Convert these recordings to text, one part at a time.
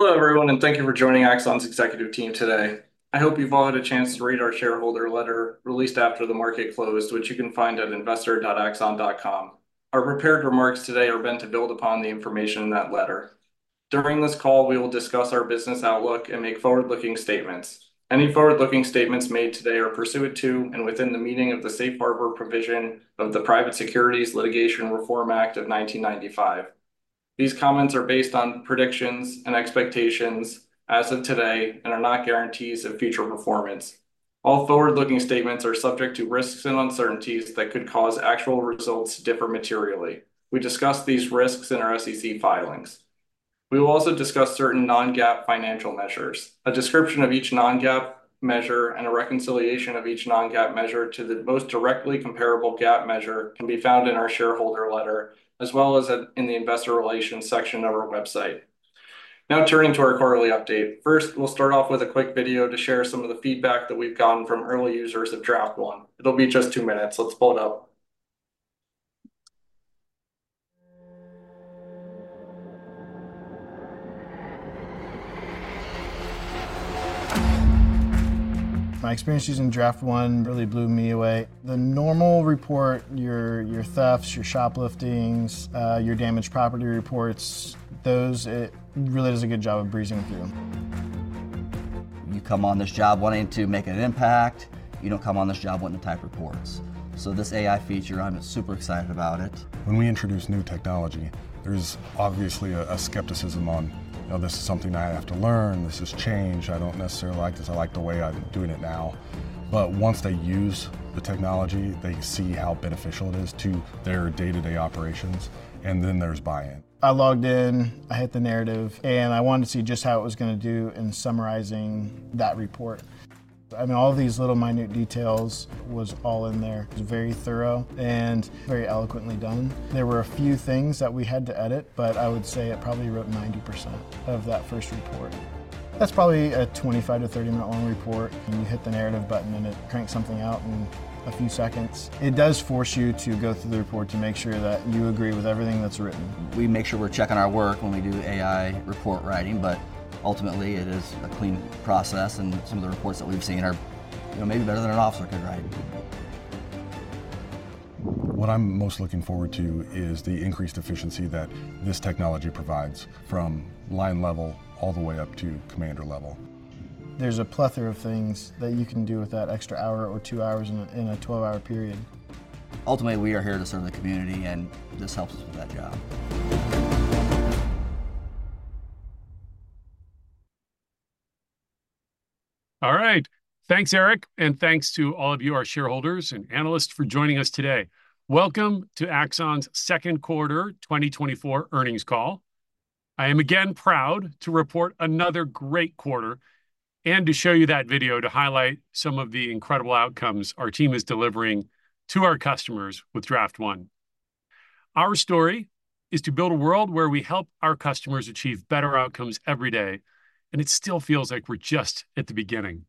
Hello, everyone, and thank you for joining Axon's executive team today. I hope you've all had a chance to read our shareholder letter released after the market closed, which you can find at investor.axon.com. Our prepared remarks today are meant to build upon the information in that letter. During this call, we will discuss our business outlook and make forward-looking statements. Any forward-looking statements made today are pursuant to, and within the meaning of the safe harbor provision of the Private Securities Litigation Reform Act of 1995. These comments are based on predictions and expectations as of today, and are not guarantees of future performance. All forward-looking statements are subject to risks and uncertainties that could cause actual results to differ materially. We discuss these risks in our SEC filings. We will also discuss certain non-GAAP financial measures. A description of each non-GAAP measure and a reconciliation of each non-GAAP measure to the most directly comparable GAAP measure can be found in our shareholder letter, as well as in the investor relations section of our website. Now, turning to our quarterly update. First, we'll start off with a quick video to share some of the feedback that we've gotten from early users of Draft One. It'll be just two minutes. Let's pull it up. My experience using Draft One really blew me away. The normal report, your, your thefts, your shopliftings, your damaged property reports, those, it really does a good job of breezing through. You come on this job wanting to make an impact. You don't come on this job wanting to type reports. So this AI feature, I'm super excited about it. When we introduce new technology, there's obviously a skepticism on, "Oh, this is something I have to learn. This is change. I don't necessarily like this. I like the way I've been doing it now." But once they use the technology, they see how beneficial it is to their day-to-day operations, and then there's buy-in. I logged in, I hit the narrative, and I wanted to see just how it was gonna do in summarizing that report. I mean, all these little minute details was all in there. It was very thorough and very eloquently done. There were a few things that we had to edit, but I would say it probably wrote 90% of that first report. That's probably a 25- to 30-minute-long report, and you hit the narrative button, and it cranks something out in a few seconds. It does force you to go through the report to make sure that you agree with everything that's written. We make sure we're checking our work when we do AI report writing, but ultimately, it is a clean process, and some of the reports that we've seen are, you know, maybe better than an officer could write. What I'm most looking forward to is the increased efficiency that this technology provides, from line level all the way up to commander level. There's a plethora of things that you can do with that extra hour or two hours in a 12-hour period. Ultimately, we are here to serve the community, and this helps us with that job. All right. Thanks, Erik, and thanks to all of you, our shareholders and analysts, for joining us today. Welcome to Axon's Second Quarter 2024 Earnings Call. I am again proud to report another great quarter, and to show you that video to highlight some of the incredible outcomes our team is delivering to our customers with Draft One. Our story is to build a world where we help our customers achieve better outcomes every day, and it still feels like we're just at the beginning.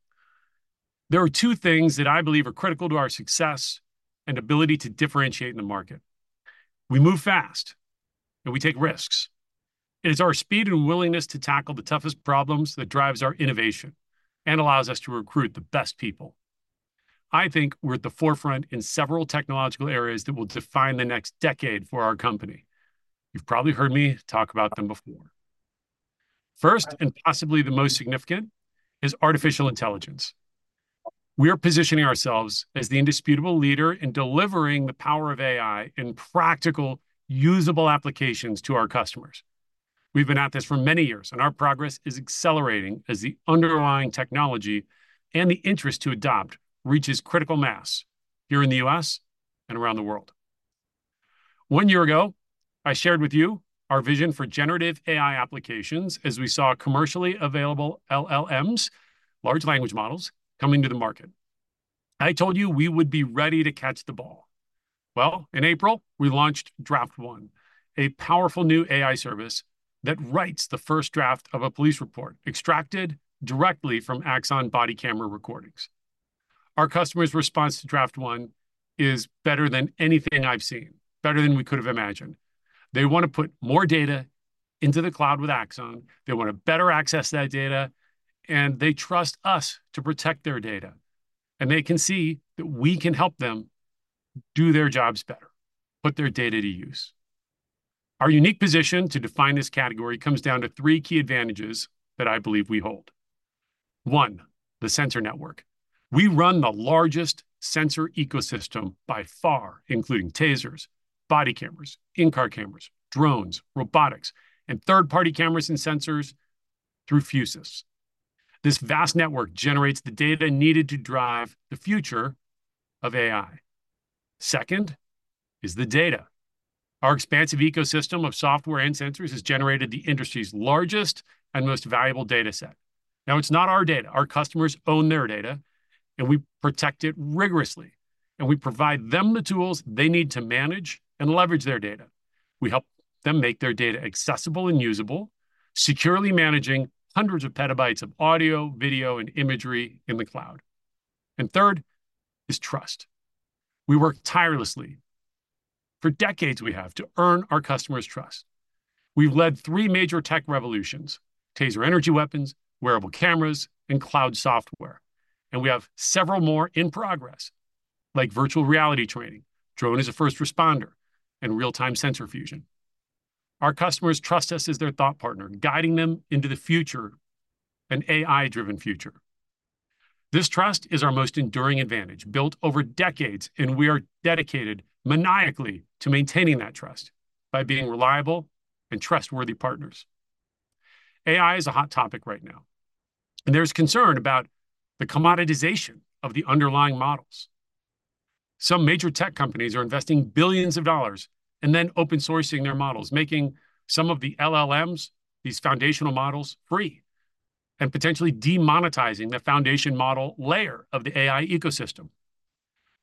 There are two things that I believe are critical to our success and ability to differentiate in the market. We move fast, and we take risks. It is our speed and willingness to tackle the toughest problems that drives our innovation and allows us to recruit the best people. I think we're at the forefront in several technological areas that will define the next decade for our company. You've probably heard me talk about them before. First, and possibly the most significant, is artificial intelligence. We are positioning ourselves as the indisputable leader in delivering the power of AI in practical, usable applications to our customers. We've been at this for many years, and our progress is accelerating as the underlying technology and the interest to adopt reaches critical mass here in the U.S. and around the world. One year ago, I shared with you our vision for generative AI applications as we saw commercially available LLMs, large language models, coming to the market. I told you we would be ready to catch the ball. Well, in April, we launched Draft One, a powerful new AI service that writes the first draft of a police report, extracted directly from Axon body camera recordings. Our customers' response to Draft One is better than anything I've seen, better than we could've imagined. They wanna put more data into the cloud with Axon, they wanna better access that data, and they trust us to protect their data, and they can see that we can help them do their jobs better, put their data to use. Our unique position to define this category comes down to three key advantages that I believe we hold. One, the sensor network. We run the largest sensor ecosystem by far, including TASERs, body cameras, in-car cameras, drones, robotics, and third-party cameras and sensors through Fusus. This vast network generates the data needed to drive the future of AI. Second is the data. Our expansive ecosystem of software and sensors has generated the industry's largest and most valuable data set. Now, it's not our data. Our customers own their data, and we protect it rigorously, and we provide them the tools they need to manage and leverage their data. We help them make their data accessible and usable, securely managing hundreds of petabytes of audio, video, and imagery in the cloud. And third is trust. We work tirelessly. For decades, we have to earn our customers' trust. We've led three major tech revolutions: TASER energy weapons, wearable cameras, and cloud software, and we have several more in progress, like virtual reality training, Drone as a First Responder, and real-time sensor fusion. Our customers trust us as their thought partner, guiding them into the future, an AI-driven future. This trust is our most enduring advantage, built over decades, and we are dedicated maniacally to maintaining that trust by being reliable and trustworthy partners. AI is a hot topic right now, and there's concern about the commoditization of the underlying models. Some major tech companies are investing billions of dollars and then open sourcing their models, making some of the LLMs, these foundational models, free, and potentially demonetizing the foundation model layer of the AI ecosystem.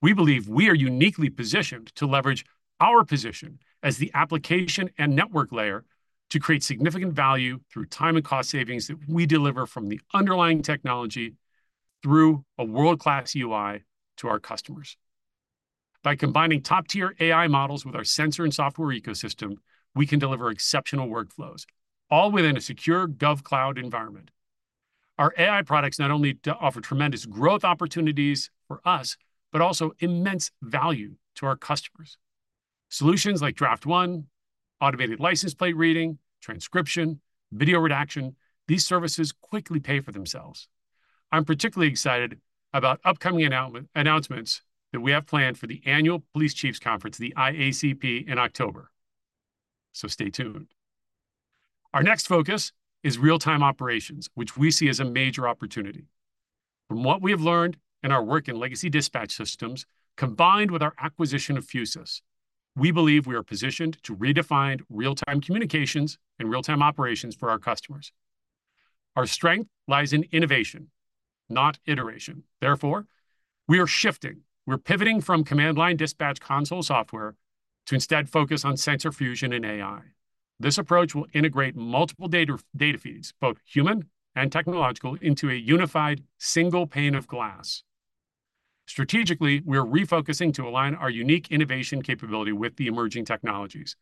We believe we are uniquely positioned to leverage our position as the application and network layer to create significant value through time and cost savings that we deliver from the underlying technology through a world-class UI to our customers. By combining top-tier AI models with our sensor and software ecosystem, we can deliver exceptional workflows, all within a secure GovCloud environment. Our AI products not only offer tremendous growth opportunities for us, but also immense value to our customers. Solutions like Draft One, automated license plate reading, transcription, video redaction, these services quickly pay for themselves. I'm particularly excited about upcoming announcements that we have planned for the annual police chiefs conference, the IACP, in October, so stay tuned. Our next focus is Real-Time Operations, which we see as a major opportunity. From what we have learned in our work in legacy dispatch systems, combined with our acquisition of Fusus, we believe we are positioned to redefine real-time communications and Real-Time Operations for our customers. Our strength lies in innovation, not iteration. Therefore, we are shifting. We're pivoting from command line dispatch console software to instead focus on sensor fusion and AI. This approach will integrate multiple data, data feeds, both human and technological, into a unified single pane of glass. Strategically, we are refocusing to align our unique innovation capability with the emerging technologies.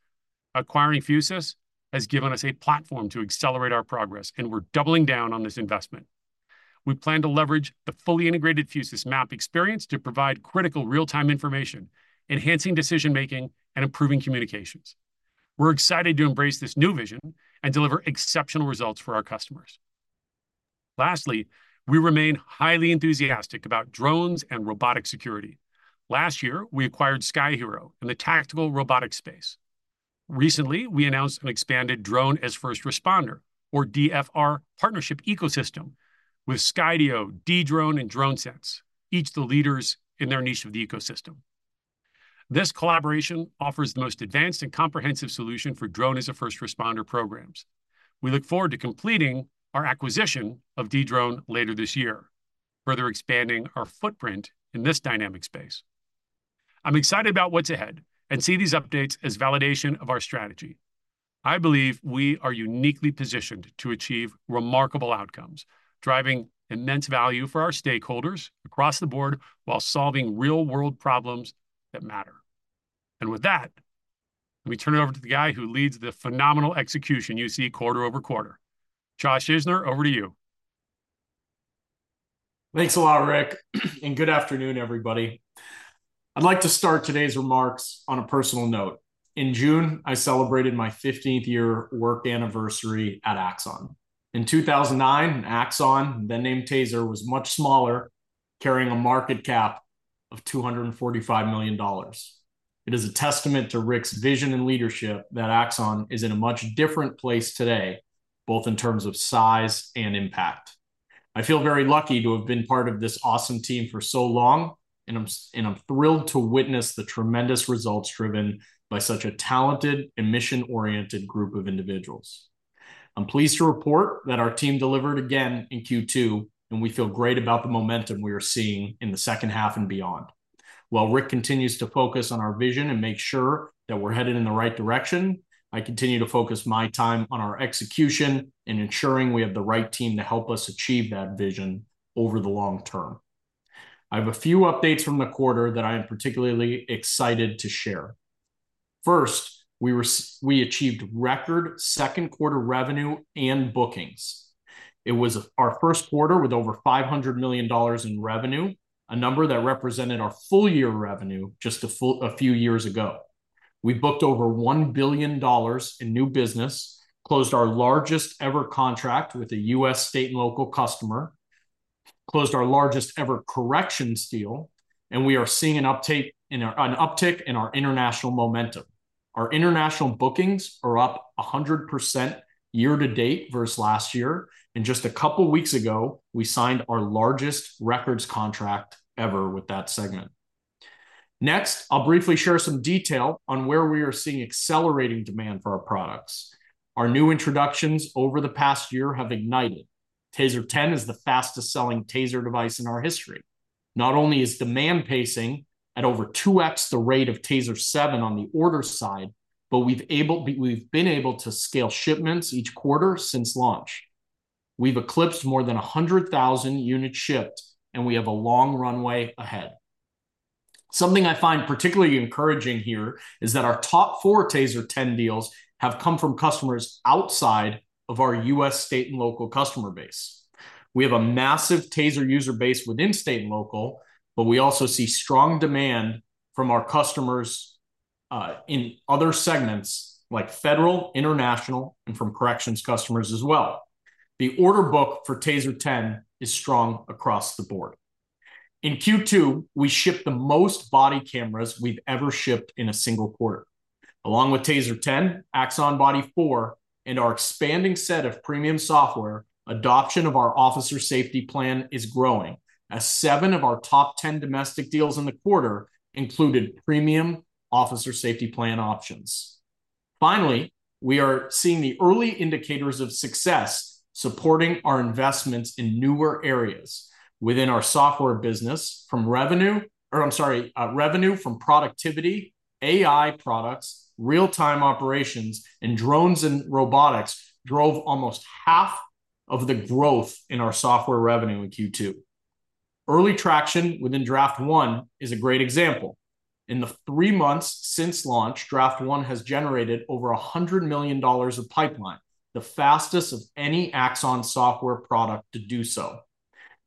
Acquiring Fusus has given us a platform to accelerate our progress, and we're doubling down on this investment. We plan to leverage the fully integrated Fusus map experience to provide critical real-time information, enhancing decision-making and improving communications. We're excited to embrace this new vision and deliver exceptional results for our customers. Lastly, we remain highly enthusiastic about drones and robotic security. Last year, we acquired Sky-Hero in the tactical robotic space. Recently, we announced an expanded Drone as First Responder, or DFR, partnership ecosystem with Skydio, Dedrone, and DroneSense, each the leaders in their niche of the ecosystem. This collaboration offers the most advanced and comprehensive solution for Drone as a First Responder programs. We look forward to completing our acquisition of Dedrone later this year, further expanding our footprint in this dynamic space. I'm excited about what's ahead and see these updates as validation of our strategy. I believe we are uniquely positioned to achieve remarkable outcomes, driving immense value for our stakeholders across the board while solving real-world problems that matter. With that, let me turn it over to the guy who leads the phenomenal execution you see quarter over quarter. Josh Isner, over to you. Thanks a lot, Rick, and good afternoon, everybody. I'd like to start today's remarks on a personal note. In June, I celebrated my 15th year work anniversary at Axon. In 2009, Axon, then named TASER, was much smaller, carrying a market cap of $245 million. It is a testament to Rick's vision and leadership that Axon is in a much different place today, both in terms of size and impact. I feel very lucky to have been part of this awesome team for so long, and I'm thrilled to witness the tremendous results driven by such a talented and mission-oriented group of individuals. I'm pleased to report that our team delivered again in Q2, and we feel great about the momentum we are seeing in the second half and beyond. While Rick continues to focus on our vision and make sure that we're headed in the right direction, I continue to focus my time on our execution and ensuring we have the right team to help us achieve that vision over the long term. I have a few updates from the quarter that I am particularly excited to share. First, we achieved record second quarter revenue and bookings. It was our first quarter with over $500 million in revenue, a number that represented our full-year revenue just a few years ago. We booked over $1 billion in new business, closed our largest ever contract with a U.S. state and local customer, closed our largest ever corrections deal, and we are seeing an uptick in our international momentum. Our international bookings are up 100% year to date versus last year, and just a couple weeks ago, we signed our largest recurring contract ever with that segment. Next, I'll briefly share some detail on where we are seeing accelerating demand for our products. Our new introductions over the past year have ignited. TASER 10 is the fastest-selling TASER device in our history. Not only is demand pacing at over 2x the rate of TASER 7 on the order side, but we've able, we've been able to scale shipments each quarter since launch. We've eclipsed more than 100,000 units shipped, and we have a long runway ahead. Something I find particularly encouraging here is that our top four TASER 10 deals have come from customers outside of our U.S. state and local customer base. We have a massive TASER user base within state and local, but we also see strong demand from our customers in other segments, like federal, international, and from corrections customers as well. The order book for TASER 10 is strong across the board. In Q2, we shipped the most body cameras we've ever shipped in a single quarter. Along with TASER 10, Axon Body 4, and our expanding set of premium software, adoption of our Officer Safety Plan is growing, as seven of our top 10 domestic deals in the quarter included premium Officer Safety Plan options. Finally, we are seeing the early indicators of success supporting our investments in newer areas within our software business, from revenue or I'm sorry, revenue from productivity, AI products, Real-Time Operations, and drones and robotics drove almost half of the growth in our software revenue in Q2. Early traction within Draft One is a great example. In the three months since launch, Draft One has generated over $100 million of pipeline, the fastest of any Axon software product to do so.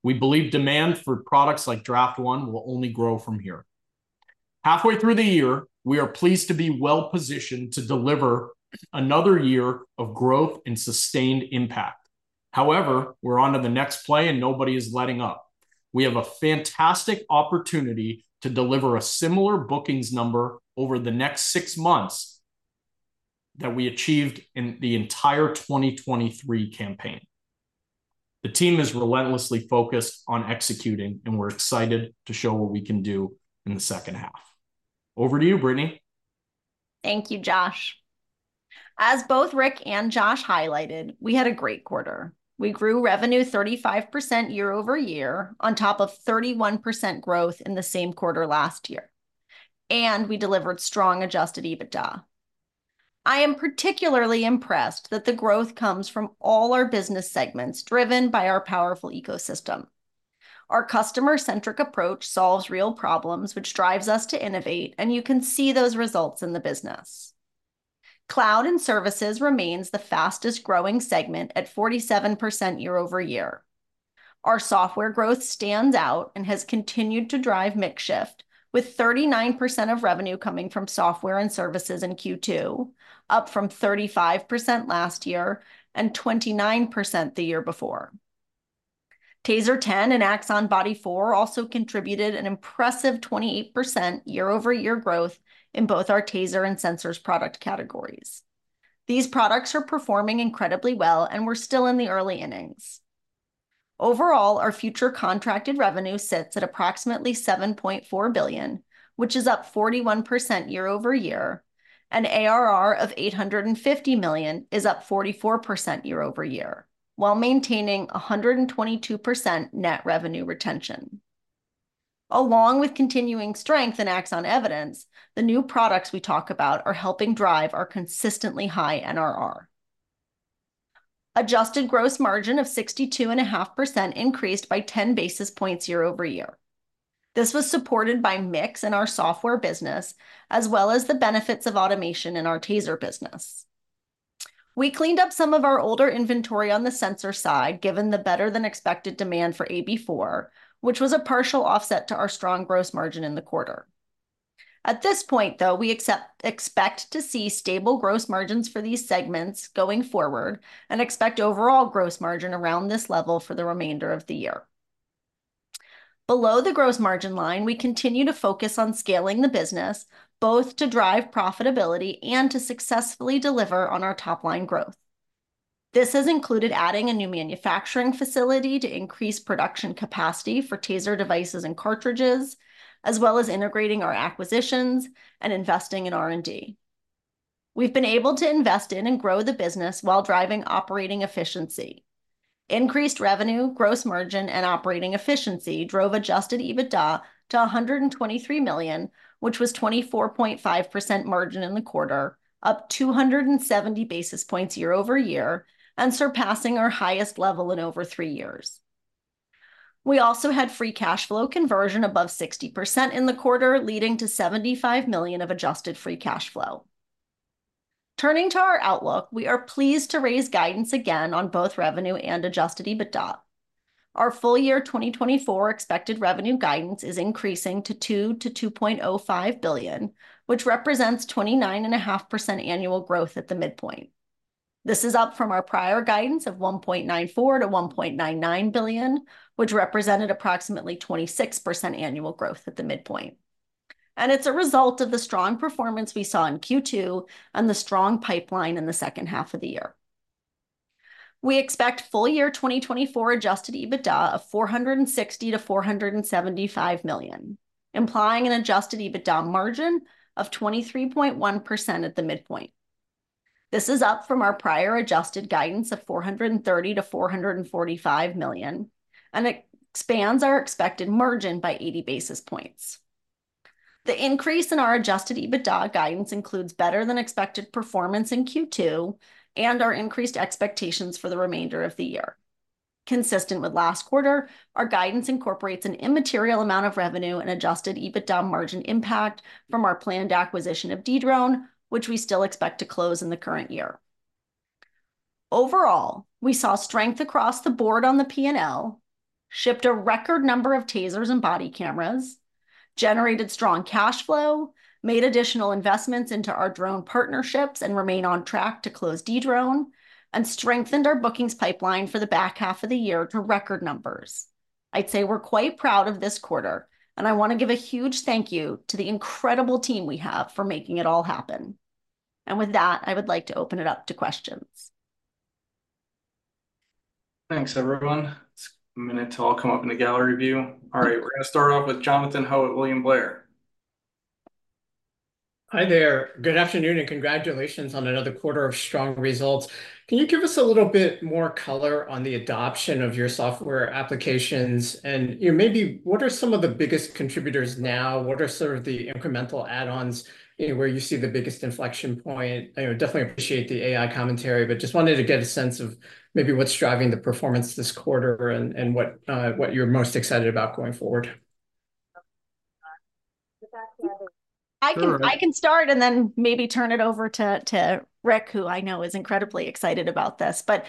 We believe demand for products like Draft One will only grow from here. Halfway through the year, we are pleased to be well-positioned to deliver another year of growth and sustained impact. However, we're onto the next play, and nobody is letting up. We have a fantastic opportunity to deliver a similar bookings number over the next six months that we achieved in the entire 2023 campaign. The team is relentlessly focused on executing, and we're excited to show what we can do in the second half. Over to you, Brittany. Thank you, Josh. As both Rick and Josh highlighted, we had a great quarter. We grew revenue 35% year-over-year, on top of 31% growth in the same quarter last year, and we delivered strong adjusted EBITDA. I am particularly impressed that the growth comes from all our business segments, driven by our powerful ecosystem. Our customer-centric approach solves real problems, which drives us to innovate, and you can see those results in the business. Cloud and Services remains the fastest-growing segment at 47% year-over-year. Our software growth stands out and has continued to drive mix shift, with 39% of revenue coming from software and services in Q2, up from 35% last year and 29% the year before. TASER 10 and Axon Body 4 also contributed an impressive 28% year-over-year growth in both our TASER and Sensors product categories. These products are performing incredibly well, and we're still in the early innings. Overall, our future contracted revenue sits at approximately $7.4 billion, which is up 41% year-over-year, and ARR of $850 million is up 44% year-over-year, while maintaining 122% net revenue retention. Along with continuing strength in Axon Evidence, the new products we talk about are helping drive our consistently high NRR. Adjusted gross margin of 62.5% increased by 10 basis points year-over-year. This was supported by mix in our software business, as well as the benefits of automation in our TASER business. We cleaned up some of our older inventory on the sensor side, given the better-than-expected demand for AB4, which was a partial offset to our strong gross margin in the quarter. At this point, though, we expect to see stable gross margins for these segments going forward and expect overall gross margin around this level for the remainder of the year. Below the gross margin line, we continue to focus on scaling the business, both to drive profitability and to successfully deliver on our top-line growth. This has included adding a new manufacturing facility to increase production capacity for TASER devices and cartridges, as well as integrating our acquisitions and investing in R&D. We've been able to invest in and grow the business while driving operating efficiency. Increased revenue, gross margin, and operating efficiency drove Adjusted EBITDA to $123 million, which was 24.5% margin in the quarter, up 270 basis points year-over-year, and surpassing our highest level in over three years. We also had free cash flow conversion above 60% in the quarter, leading to $75 million of adjusted free cash flow. Turning to our outlook, we are pleased to raise guidance again on both revenue and Adjusted EBITDA. Our full-year 2024 expected revenue guidance is increasing to $2 billion-$2.05 billion, which represents 29.5% annual growth at the midpoint. This is up from our prior guidance of $1.94 billion-$1.99 billion, which represented approximately 26% annual growth at the midpoint, and it's a result of the strong performance we saw in Q2 and the strong pipeline in the second half of the year. We expect full-year 2024 adjusted EBITDA of $460 million-$475 million, implying an adjusted EBITDA margin of 23.1% at the midpoint. This is up from our prior adjusted guidance of $430 million-$445 million, and it expands our expected margin by 80 basis points. The increase in our adjusted EBITDA guidance includes better than expected performance in Q2, and our increased expectations for the remainder of the year. Consistent with last quarter, our guidance incorporates an immaterial amount of revenue and Adjusted EBITDA margin impact from our planned acquisition of Dedrone, which we still expect to close in the current year. Overall, we saw strength across the board on the P&L, shipped a record number of TASERs and body cameras, generated strong cash flow, made additional investments into our drone partnerships, and remain on track to close Dedrone, and strengthened our bookings pipeline for the back half of the year to record numbers. I'd say we're quite proud of this quarter, and I wanna give a huge thank you to the incredible team we have for making it all happen. And with that, I would like to open it up to questions. Thanks, everyone. Just a minute until we all come up in the gallery view. All right, we're gonna start off with Jonathan Ho at William Blair. Hi there. Good afternoon, and congratulations on another quarter of strong results. Can you give us a little bit more color on the adoption of your software applications, and, you know, maybe what are some of the biggest contributors now? What are sort of the incremental add-ons, you know, where you see the biggest inflection point? I would definitely appreciate the AI commentary, but just wanted to get a sense of maybe what's driving the performance this quarter and, and what, what you're most excited about going forward. I can, I can start, and then maybe turn it over to, to Rick, who I know is incredibly excited about this. But,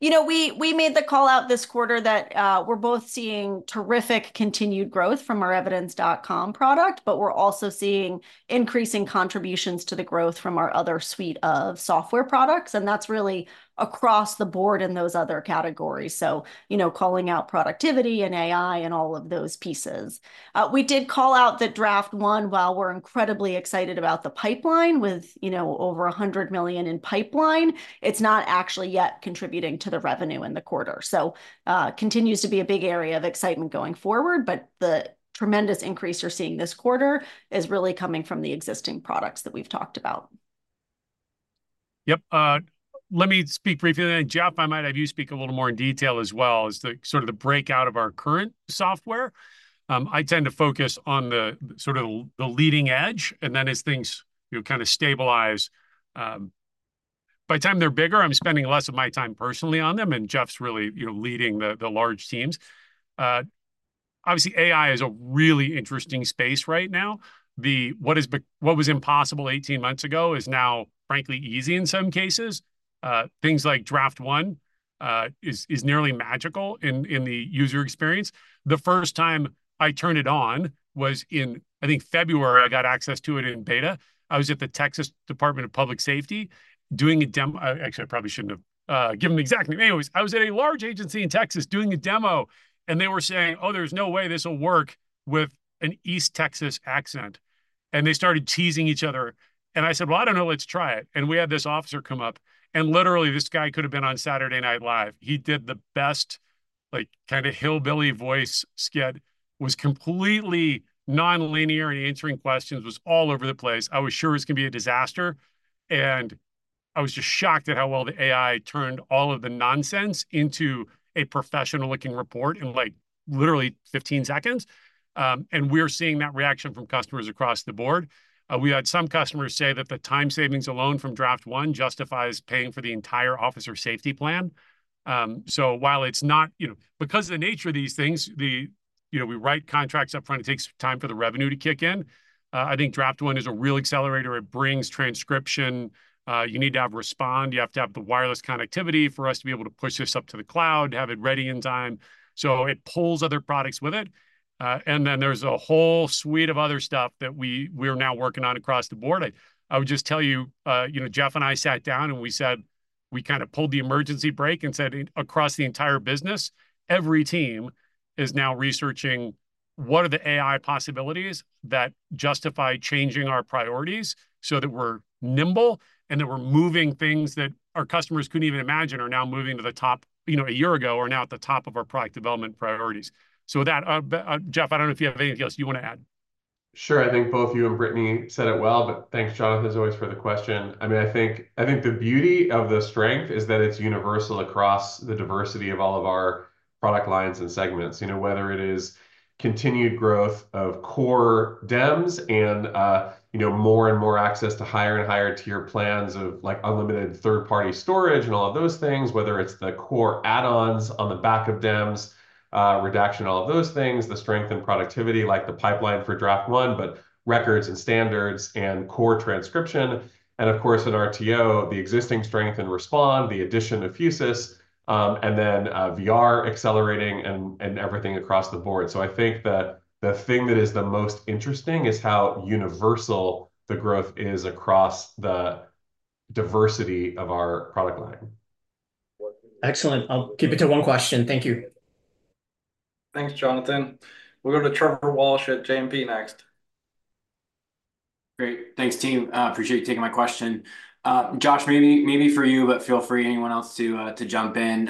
you know, we, we made the call out this quarter that we're both seeing terrific continued growth from our Evidence.com product, but we're also seeing increasing contributions to the growth from our other suite of software products, and that's really across the board in those other categories, so, you know, calling out productivity and AI and all of those pieces. We did call out that Draft One, while we're incredibly excited about the pipeline with, you know, over $100 million in pipeline, it's not actually yet contributing to the revenue in the quarter. So, continues to be a big area of excitement going forward, but the tremendous increase you're seeing this quarter is really coming from the existing products that we've talked about. Yep, let me speak briefly, and then, Jeff, I might have you speak a little more in detail as well as to sort of the breakout of our current software. I tend to focus on the sort of the leading edge, and then as things, you know, kind of stabilize, by the time they're bigger, I'm spending less of my time personally on them, and Jeff's really, you know, leading the large teams. Obviously, AI is a really interesting space right now. What was impossible 18 months ago is now, frankly, easy in some cases. Things like Draft One is nearly magical in the user experience. The first time I turned it on was in, I think, February. I got access to it in beta. I was at the Texas Department of Public Safety doing a demo, actually, I probably shouldn't have given the exact name. Anyways, I was at a large agency in Texas doing a demo, and they were saying, "Oh, there's no way this'll work with an East Texas accent." And they started teasing each other, and I said, "Well, I don't know. Let's try it." And we had this officer come up, and literally, this guy could have been on Saturday Night Live. He did the best, like, kinda hillbilly voice skit, was completely non-linear in answering questions, was all over the place. I was sure it was gonna be a disaster, and I was just shocked at how well the AI turned all of the nonsense into a professional-looking report in, like, literally 15 seconds. And we're seeing that reaction from customers across the board. We had some customers say that the time savings alone from Draft One justifies paying for the entire Officer Safety Plan. So while it's not... You know, because of the nature of these things, the, you know, we write contracts up front, it takes time for the revenue to kick in. I think Draft One is a real accelerator. It brings transcription. You need to have Respond, you have to have the wireless connectivity for us to be able to push this up to the cloud, to have it ready in time, so it pulls other products with it. And then there's a whole suite of other stuff that we're now working on across the board. I would just tell you, you know, Jeff and I sat down, and we said, we kind of pulled the emergency brake and said, "Across the entire business, every team is now researching what are the AI possibilities that justify changing our priorities so that we're nimble, and that we're moving things that our customers couldn't even imagine are now moving to the top, you know, a year ago, are now at the top of our product development priorities?" So with that, Jeff, I don't know if you have anything else you wanna add. Sure. I think both you and Brittany said it well, but thanks, Jonathan, as always, for the question. I mean, I think, I think the beauty of the strength is that it's universal across the diversity of all of our product lines and segments. You know, whether it is continued growth of core DEMS and you know more and more access to higher and higher tier plans of, like, unlimited third-party storage and all of those things, whether it's the core add-ons on the back of DEMS redaction, all of those things, the strength and productivity, like the pipeline for Draft One, but Records and Standards and core transcription, and of course, at RTO, the existing strength in Respond, the addition of Fusus, and then VR accelerating and everything across the board. I think that the thing that is the most interesting is how universal the growth is across the diversity of our product line. Excellent. I'll keep it to one question. Thank you. Thanks, Jonathan. We'll go to Trevor Walsh at JMP next. Great. Thanks, team. I appreciate you taking my question. Josh, maybe, maybe for you, but feel free anyone else to, to jump in.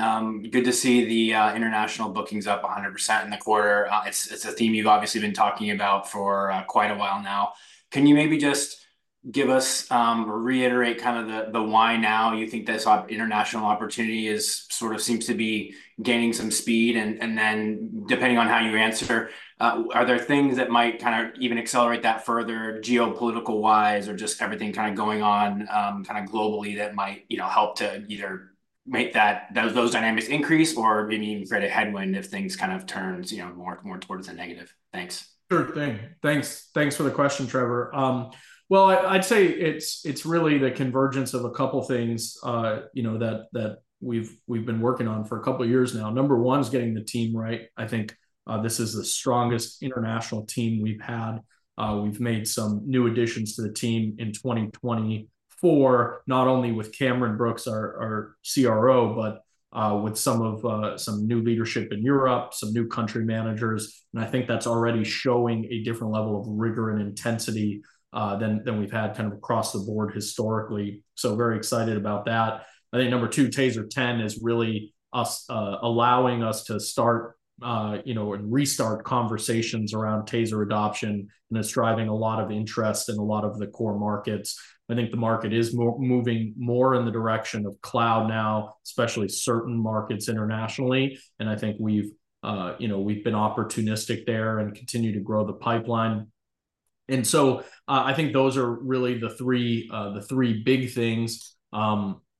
Good to see the international bookings up 100% in the quarter. It's, it's a theme you've obviously been talking about for quite a while now. Can you maybe just give us, or reiterate kind of the, the why now you think this international opportunity is, sort of seems to be gaining some speed? And, and then depending on how you answer, are there things that might kind of even accelerate that further geopolitical-wise, or just everything kind of going on, kind of globally that might, you know, help to either make that, those, those dynamics increase or maybe even create a headwind if things kind of turns, you know, more, more towards the negative? Thanks. Sure thing. Thanks. Thanks for the question, Trevor. Well, I, I'd say it's, it's really the convergence of a couple things, you know, that, that we've, we've been working on for a couple years now. Number one is getting the team right. I think, this is the strongest international team we've had. We've made some new additions to the team in 2024, not only with Cameron Brooks, our, our CRO, but, with some of, some new leadership in Europe, some new country managers, and I think that's already showing a different level of rigor and intensity, than, than we've had kind of across the board historically, so very excited about that. I think number two, TASER 10 is really us allowing us to start, you know, and restart conversations around TASER adoption, and it's driving a lot of interest in a lot of the core markets. I think the market is moving more in the direction of cloud now, especially certain markets internationally, and I think we've, you know, we've been opportunistic there and continue to grow the pipeline. And so, I think those are really the three, the three big things.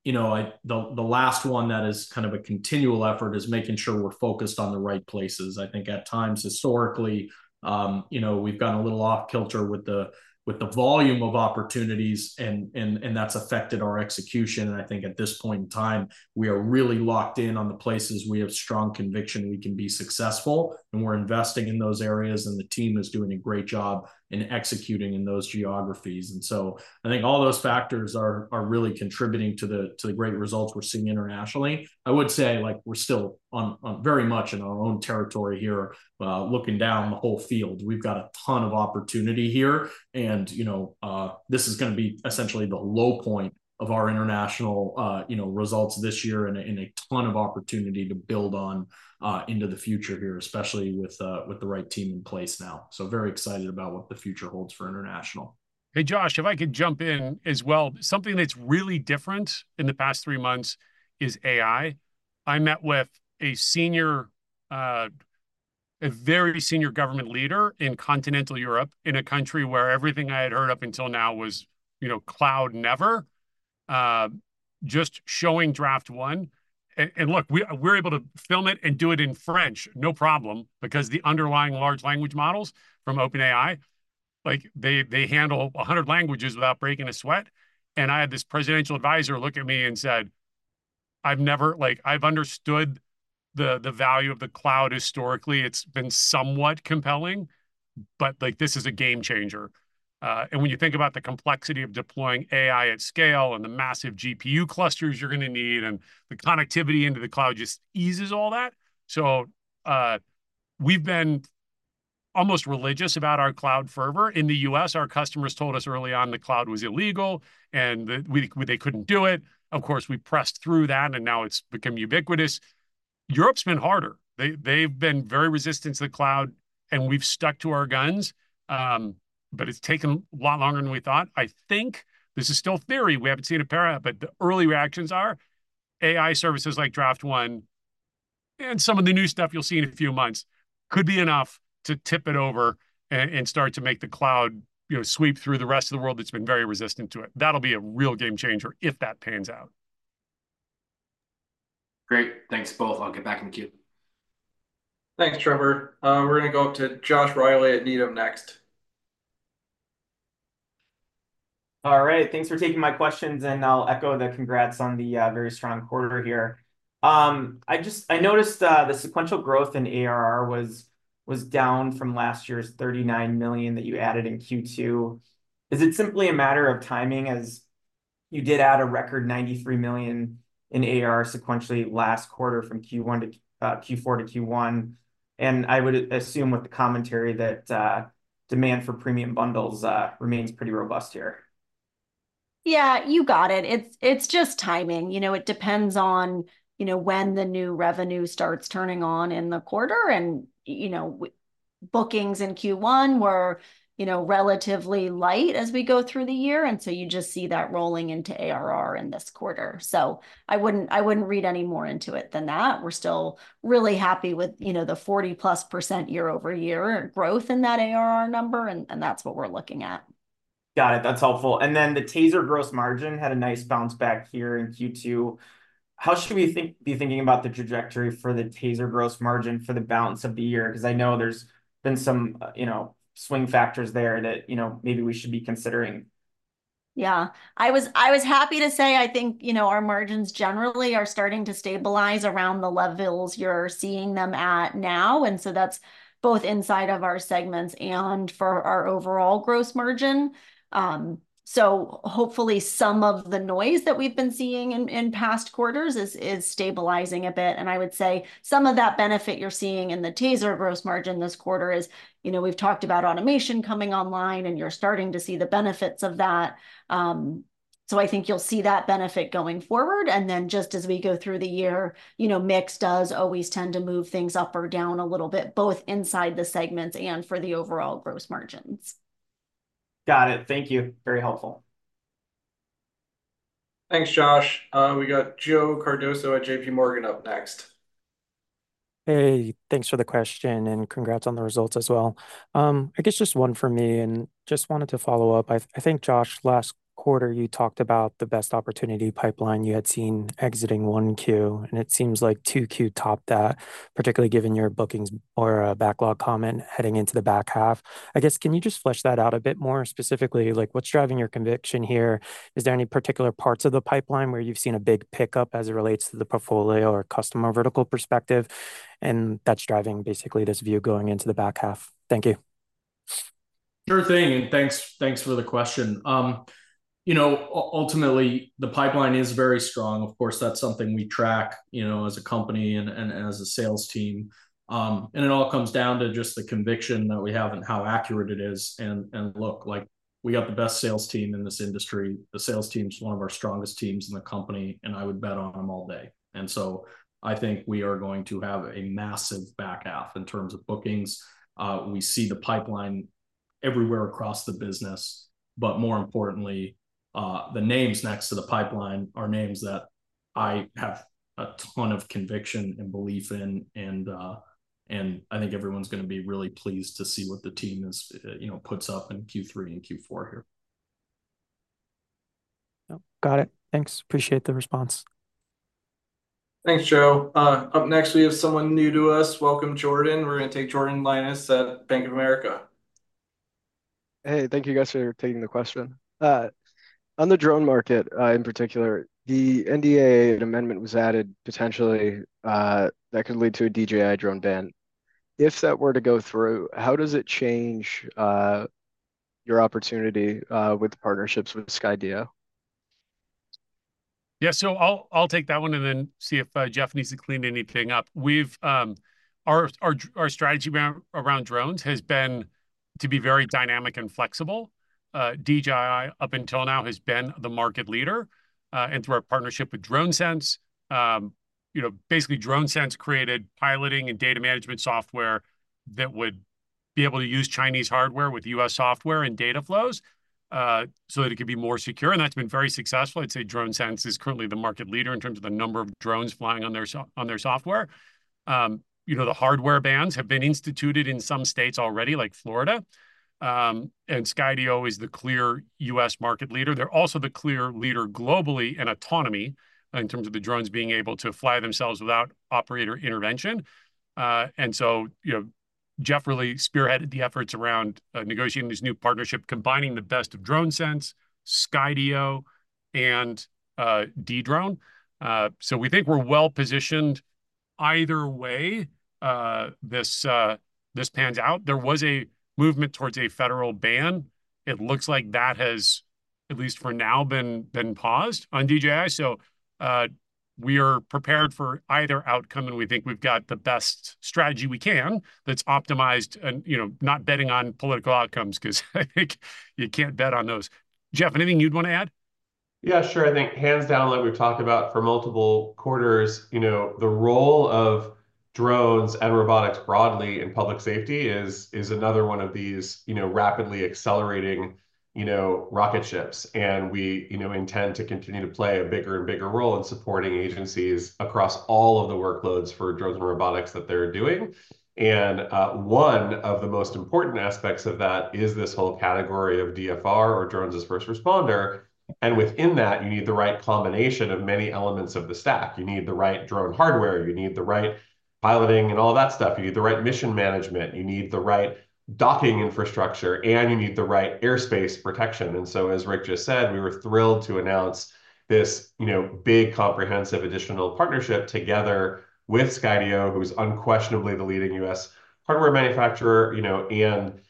You know, the last one that is kind of a continual effort is making sure we're focused on the right places. I think at times historically, you know, we've gotten a little off-kilter with the volume of opportunities, and that's affected our execution. And I think at this point in time, we are really locked in on the places we have strong conviction we can be successful, and we're investing in those areas, and the team is doing a great job in executing in those geographies. And so I think all those factors are really contributing to the great results we're seeing internationally. I would say, like, we're still very much in our own territory here. Looking down the whole field, we've got a ton of opportunity here, and, you know, this is gonna be essentially the low point of our international, you know, results this year, and a ton of opportunity to build on into the future here, especially with the right team in place now. So very excited about what the future holds for international. Hey, Josh, if I could jump in as well. Something that's really different in the past three months is AI. I met with a senior, a very senior government leader in continental Europe, in a country where everything I had heard up until now was, you know, cloud never. Just showing Draft One—and look, we, we're able to film it and do it in French, no problem, because the underlying large language models from OpenAI, like, they, they handle 100 languages without breaking a sweat. And I had this presidential advisor look at me and said, "I've never, like, I've understood the, the value of the cloud. Historically, it's been somewhat compelling, but, like, this is a game changer. And when you think about the complexity of deploying AI at scale and the massive GPU clusters you're gonna need, and the connectivity into the cloud just eases all that. So, we've been almost religious about our cloud fervor. In the U.S., our customers told us early on the cloud was illegal, and that they couldn't do it. Of course, we pressed through that, and now it's become ubiquitous. Europe's been harder. They've been very resistant to the cloud, and we've stuck to our guns, but it's taken a lot longer than we thought. I think this is still theory, we haven't seen it pan out, but the early reactions are AI services like Draft One and some of the new stuff you'll see in a few months could be enough to tip it over and start to make the cloud, you know, sweep through the rest of the world that's been very resistant to it. That'll be a real game changer if that pans out. Great. Thanks, both. I'll get back in the queue. Thanks, Trevor. We're gonna go up to Josh Reilly at Needham next. All right, thanks for taking my questions, and I'll echo the congrats on the very strong quarter here. I just noticed the sequential growth in ARR was down from last year's $39 million that you added in Q2. Is it simply a matter of timing, as you did add a record $93 million in ARR sequentially last quarter from Q1 to Q4 to Q1? And I would assume with the commentary that demand for premium bundles remains pretty robust here. Yeah, you got it. It's just timing. You know, it depends on, you know, when the new revenue starts turning on in the quarter, and, you know, bookings in Q1 were, you know, relatively light as we go through the year, and so you just see that rolling into ARR in this quarter. So I wouldn't, I wouldn't read any more into it than that. We're still really happy with, you know, the 40%+ year-over-year growth in that ARR number, and that's what we're looking at. Got it. That's helpful. And then the TASER gross margin had a nice bounce-back here in Q2. How should we be thinking about the trajectory for the TASER gross margin for the balance of the year? 'Cause I know there's been some, you know, swing factors there that, you know, maybe we should be considering. Yeah. I was, I was happy to say, I think, you know, our margins generally are starting to stabilize around the levels you're seeing them at now, and so that's both inside of our segments and for our overall gross margin. So hopefully some of the noise that we've been seeing in past quarters is stabilizing a bit. And I would say some of that benefit you're seeing in the TASER gross margin this quarter is, you know, we've talked about automation coming online, and you're starting to see the benefits of that. So I think you'll see that benefit going forward, and then just as we go through the year, you know, mix does always tend to move things up or down a little bit, both inside the segments and for the overall gross margins. Got it. Thank you. Very helpful. Thanks, Josh. We got Joe Cardoso at JPMorgan up next. Hey, thanks for the question, and congrats on the results as well. I guess just one for me, and just wanted to follow up. I think, Josh, last quarter, you talked about the best opportunity pipeline you had seen exiting 1Q, and it seems like 2Q topped that, particularly given your bookings or, backlog comment heading into the back half. I guess, can you just flesh that out a bit more specifically, like, what's driving your conviction here? Is there any particular parts of the pipeline where you've seen a big pickup as it relates to the portfolio or customer vertical perspective, and that's driving basically this view going into the back half? Thank you. Sure thing, and thanks, thanks for the question. You know, ultimately, the pipeline is very strong. Of course, that's something we track, you know, as a company and, and as a sales team. And it all comes down to just the conviction that we have and how accurate it is. And, and look, like, we got the best sales team in this industry. The sales team's one of our strongest teams in the company, and I would bet on them all day. And so I think we are going to have a massive back half in terms of bookings. We see the pipeline everywhere across the business, but more importantly, the names next to the pipeline are names that I have a ton of conviction and belief in. I think everyone's gonna be really pleased to see what the team is, you know, puts up in Q3 and Q4 here. Oh, got it. Thanks. Appreciate the response. Thanks, Joe. Up next, we have someone new to us. Welcome, Jordan. We're gonna take Jordan Lyonnais at Bank of America. Hey, thank you guys for taking the question. On the drone market, in particular, the NDA, an amendment was added, potentially, that could lead to a DJI drone ban. If that were to go through, how does it change your opportunity with the partnerships with Skydio? Yeah, so I'll take that one and then see if Jeff needs to clean anything up. Our strategy around drones has been to be very dynamic and flexible. DJI, up until now, has been the market leader, and through our partnership with DroneSense, you know, basically DroneSense created piloting and data management software that would be able to use Chinese hardware with U.S. software and data flows, so that it could be more secure, and that's been very successful. I'd say DroneSense is currently the market leader in terms of the number of drones flying on their software. You know, the hardware bans have been instituted in some states already, like Florida. And Skydio is the clear U.S. market leader. They're also the clear leader globally in autonomy, in terms of the drones being able to fly themselves without operator intervention. And so, you know, Jeff really spearheaded the efforts around negotiating this new partnership, combining the best of DroneSense, Skydio, and Dedrone. So we think we're well-positioned either way, this pans out. There was a movement towards a federal ban. It looks like that has, at least for now, been paused on DJI. So we are prepared for either outcome, and we think we've got the best strategy we can that's optimized, and, you know, not betting on political outcomes 'cause I think you can't bet on those. Jeff, anything you'd wanna add? Yeah, sure. I think hands down, like we've talked about for multiple quarters, you know, the role of drones and robotics broadly in public safety is another one of these, you know, rapidly accelerating, you know, rocket ships. And we, you know, intend to continue to play a bigger and bigger role in supporting agencies across all of the workloads for drones and robotics that they're doing. And one of the most important aspects of that is this whole category of DFR, or Drones as a First Responder, and within that, you need the right combination of many elements of the stack. You need the right drone hardware, you need the right piloting and all that stuff. You need the right mission management, you need the right docking infrastructure, and you need the right airspace protection. And so, as Rick just said, we were thrilled to announce this, you know, big, comprehensive, additional partnership together with Skydio, who's unquestionably the leading U.S. hardware manufacturer, you know. And,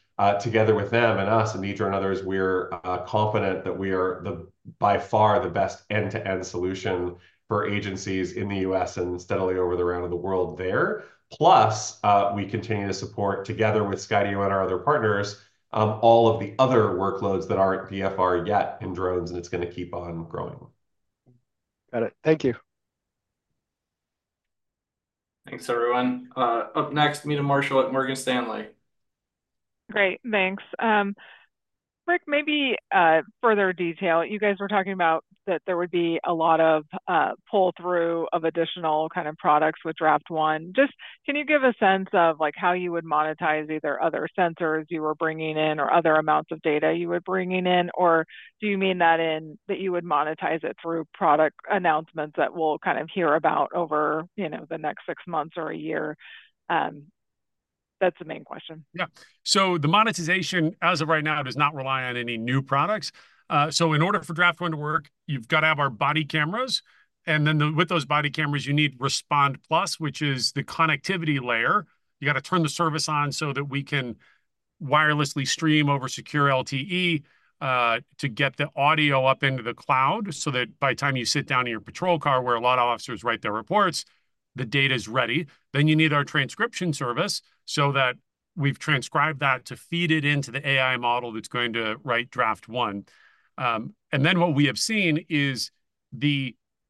together with them and us and DroneSense and others, we're confident that we are the, by far, the best end-to-end solution for agencies in the U.S., and steadily over around the world there. Plus, we continue to support, together with Skydio and our other partners, all of the other workloads that aren't DFR yet in drones, and it's gonna keep on growing. Got it. Thank you. Thanks, everyone. Up next, Meta Marshall at Morgan Stanley. Great, thanks. Rick, maybe further detail, you guys were talking about that there would be a lot of pull-through of additional kind of products with Draft One. Just, can you give a sense of, like, how you would monetize either other sensors you were bringing in or other amounts of data you were bringing in? Or do you mean that in that you would monetize it through product announcements that we'll kind of hear about over, you know, the next six months or a year? That's the main question. Yeah. So the monetization, as of right now, does not rely on any new products. So in order for Draft One to work, you've gotta have our body cameras, and then with those body cameras, you need Respond+, which is the connectivity layer. You gotta turn the service on so that we can wirelessly stream over secure LTE to get the audio up into the cloud, so that by the time you sit down in your patrol car, where a lot of officers write their reports, the data's ready. Then you need our transcription service so that we've transcribed that to feed it into the AI model that's going to write Draft One. And then what we have seen is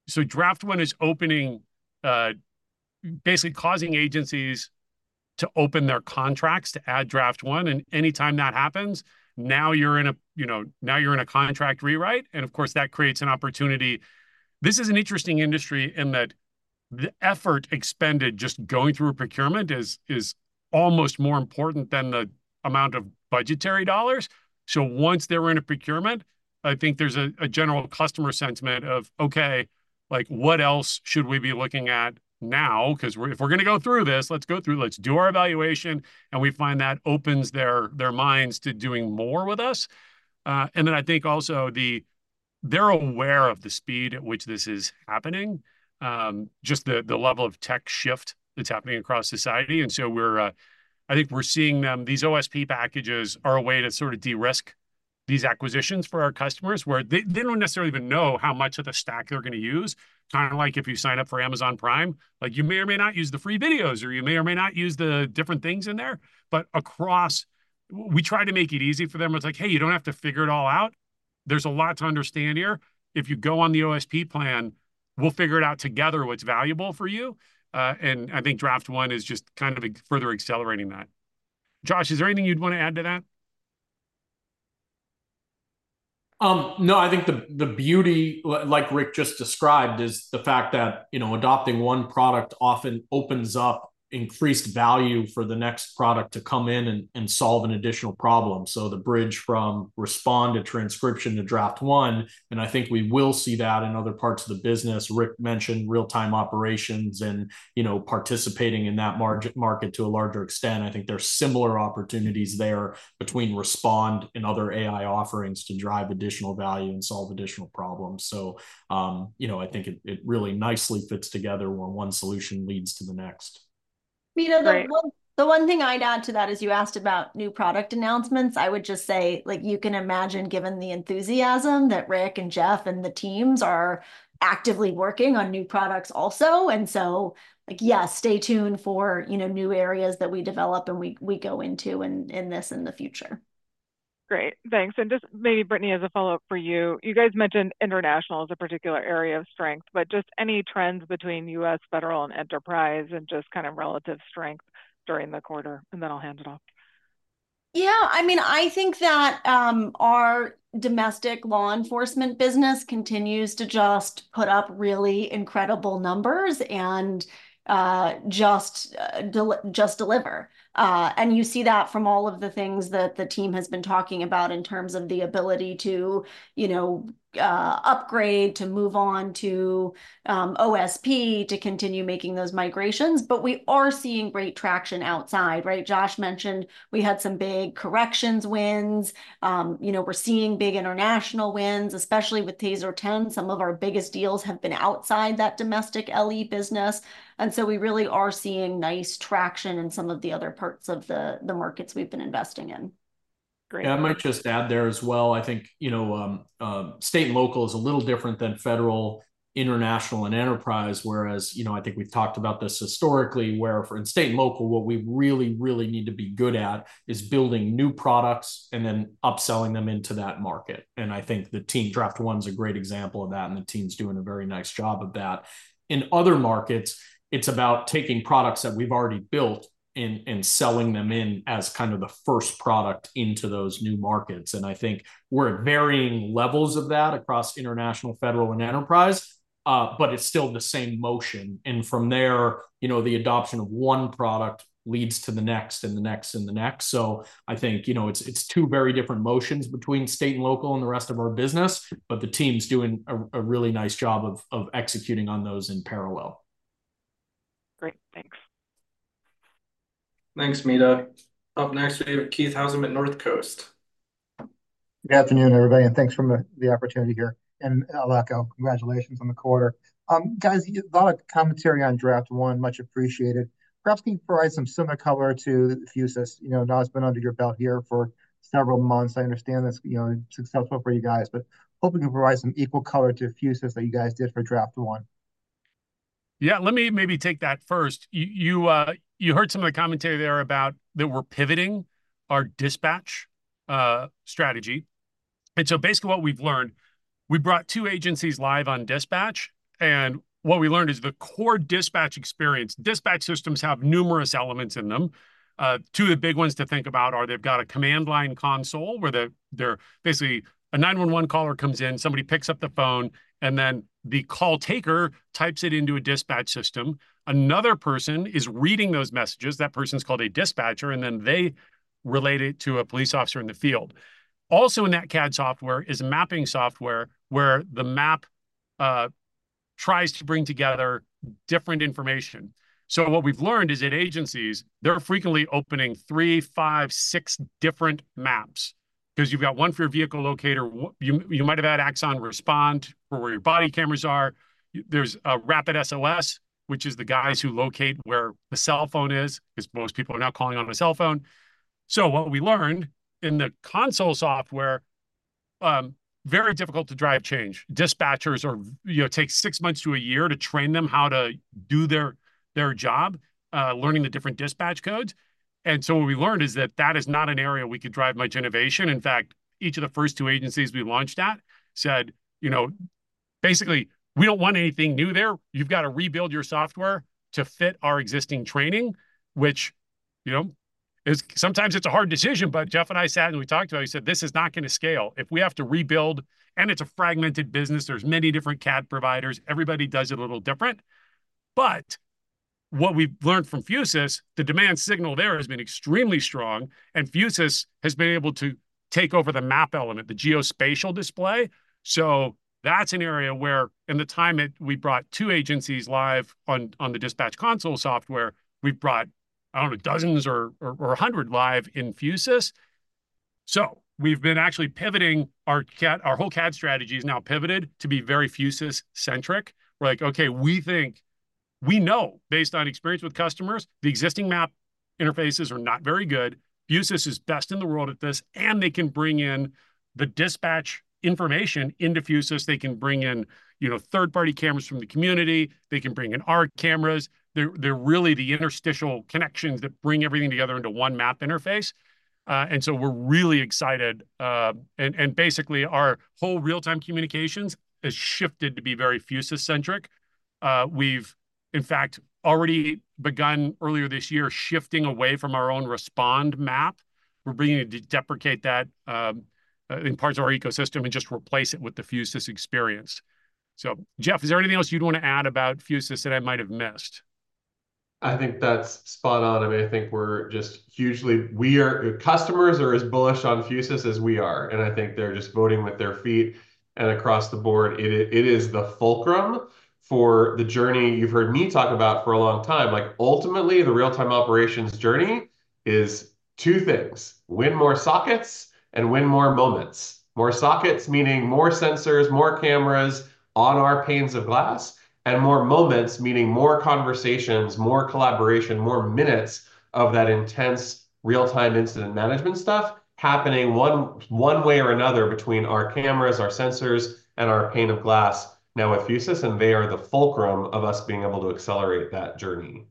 so Draft One is opening, basically causing agencies to open their contracts to add Draft One, and anytime that happens, now you're in a, you know, now you're in a contract rewrite, and of course, that creates an opportunity. This is an interesting industry in that the effort expended just going through a procurement is almost more important than the amount of budgetary dollars. So once they're in a procurement, I think there's a general customer sentiment of, "Okay, like, what else should we be looking at now? 'Cause we're- if we're gonna go through this, let's go through it. Let's do our evaluation." And we find that opens their minds to doing more with us. And then I think also they're aware of the speed at which this is happening, just the level of tech shift that's happening across society, and so we're. I think we're seeing these OSP packages are a way to sort of de-risk these acquisitions for our customers, where they don't necessarily even know how much of the stack they're gonna use. Kinda like if you sign up for Amazon Prime, like, you may or may not use the free videos, or you may or may not use the different things in there, but across. We try to make it easy for them. It's like, "Hey, you don't have to figure it all out. There's a lot to understand here. If you go on the OSP plan, we'll figure it out together what's valuable for you." And I think Draft One is just kind of a further accelerating that. Josh, is there anything you'd wanna add to that? No, I think the beauty, like Rick just described, is the fact that, you know, adopting one product often opens up increased value for the next product to come in and solve an additional problem. So the bridge from Respond to Transcription to Draft One, and I think we will see that in other parts of the business. Rick mentioned Real-Time Operations and, you know, participating in that market to a larger extent. I think there's similar opportunities there between Respond and other AI offerings to drive additional value and solve additional problems. So, you know, I think it really nicely fits together where one solution leads to the next. Meta- Right ...the one thing I'd add to that is you asked about new product announcements. I would just say, like, you can imagine, given the enthusiasm, that Rick and Jeff and the teams are actively working on new products also, and so, like, yeah, stay tuned for, you know, new areas that we develop and we go into in this and the future. Great, thanks. And just maybe Brittany, as a follow-up for you, you guys mentioned international as a particular area of strength, but just any trends between U.S. federal and enterprise and just kind of relative strength during the quarter, and then I'll hand it off? Yeah, I mean, I think that our domestic law enforcement business continues to just put up really incredible numbers and just deliver. And you see that from all of the things that the team has been talking about in terms of the ability to, you know, upgrade, to move on to OSP, to continue making those migrations. But we are seeing great traction outside, right? Josh mentioned we had some big corrections wins. You know, we're seeing big international wins, especially with TASER 10. Some of our biggest deals have been outside that domestic LE business, and so we really are seeing nice traction in some of the other parts of the markets we've been investing in. Great. Yeah, I might just add there as well. I think, you know, state and local is a little different than federal, international, and enterprise, whereas, you know, I think we've talked about this historically, where for in state and local, what we really, really need to be good at is building new products and then upselling them into that market, and I think the team's Draft One is a great example of that, and the team's doing a very nice job of that. In other markets, it's about taking products that we've already built and, and selling them in as kind of the first product into those new markets, and I think we're at varying levels of that across international, federal, and enterprise. But it's still the same motion, and from there, you know, the adoption of one product leads to the next and the next and the next. I think, you know, it's two very different motions between state and local and the rest of our business, but the team's doing a really nice job of executing on those in parallel. Great, thanks. Thanks, Meta. Up next, we have Keith Housum at Northcoast. Good afternoon, everybody, and thanks for the opportunity here. Rick, congratulations on the quarter. Guys, a lot of commentary on Draft One, much appreciated. Perhaps can you provide some similar color to the Fusus? You know, now it's been under your belt here for several months. I understand that's, you know, successful for you guys, but hoping you can provide some equal color to Fusus that you guys did for Draft One. Yeah, let me maybe take that first. You heard some of the commentary there about that we're pivoting our dispatch strategy, and so basically what we've learned, we brought two agencies live on dispatch, and what we learned is the core dispatch experience. Dispatch systems have numerous elements in them. Two of the big ones to think about are they've got a command line console, where. Basically, a 911 caller comes in, somebody picks up the phone, and then the call taker types it into a dispatch system. Another person is reading those messages. That person's called a dispatcher, and then they relay it to a police officer in the field. Also in that CAD software is a mapping software, where the map tries to bring together different information. So what we've learned is that agencies, they're frequently opening three, five, six different maps, 'cause you've got one for your vehicle locator, you might have had Axon Respond for where your body cameras are. There's RapidSOS, which is the guys who locate where the cell phone is, 'cause most people are now calling on a cell phone. So what we learned in the console software, very difficult to drive change. Dispatchers are, you know, take six months to a year to train them how to do their job, learning the different dispatch codes. So what we learned is that that is not an area we could drive much innovation. In fact, each of the first two agencies we launched at said, you know, basically, "We don't want anything new there. You've got to rebuild your software to fit our existing training," which, you know, is sometimes a hard decision. But Jeff and I sat and we talked about it. He said, "This is not gonna scale." If we have to rebuild and it's a fragmented business. There's many different CAD providers. Everybody does it a little different. But what we've learned from Fusus, the demand signal there has been extremely strong, and Fusus has been able to take over the map element, the geospatial display. So that's an area where in the time that we brought two agencies live on the dispatch console software, we've brought, I don't know, dozens or 100 live in Fusus. So we've been actually pivoting our CAD, our whole CAD strategy is now pivoted to be very Fusus-centric. We're like, okay, we think we know, based on experience with customers, the existing map interfaces are not very good. Fusus is best in the world at this, and they can bring in the dispatch information into Fusus. They can bring in, you know, third-party cameras from the community. They can bring in our cameras. They're really the interstitial connections that bring everything together into one map interface. And so we're really excited. Basically, our whole real-time communications has shifted to be very Fusus-centric. We've in fact already begun earlier this year, shifting away from our own Respond map. We're beginning to deprecate that in parts of our ecosystem and just replace it with the Fusus experience. So, Jeff, is there anything else you'd want to add about Fusus that I might have missed? I think that's spot on. I mean, I think we're just hugely—we are—customers are as bullish on Fusus as we are, and I think they're just voting with their feet and across the board. It is the fulcrum for the journey you've heard me talk about for a long time. Like, ultimately, the Real-Time Operations journey is two things: win more sockets and win more moments. More sockets, meaning more sensors, more cameras on our panes of glass, and more moments, meaning more conversations, more collaboration, more minutes of that intense real-time incident management stuff happening one way or another between our cameras, our sensors, and our pane of glass now with Fusus, and they are the fulcrum of us being able to accelerate that journey.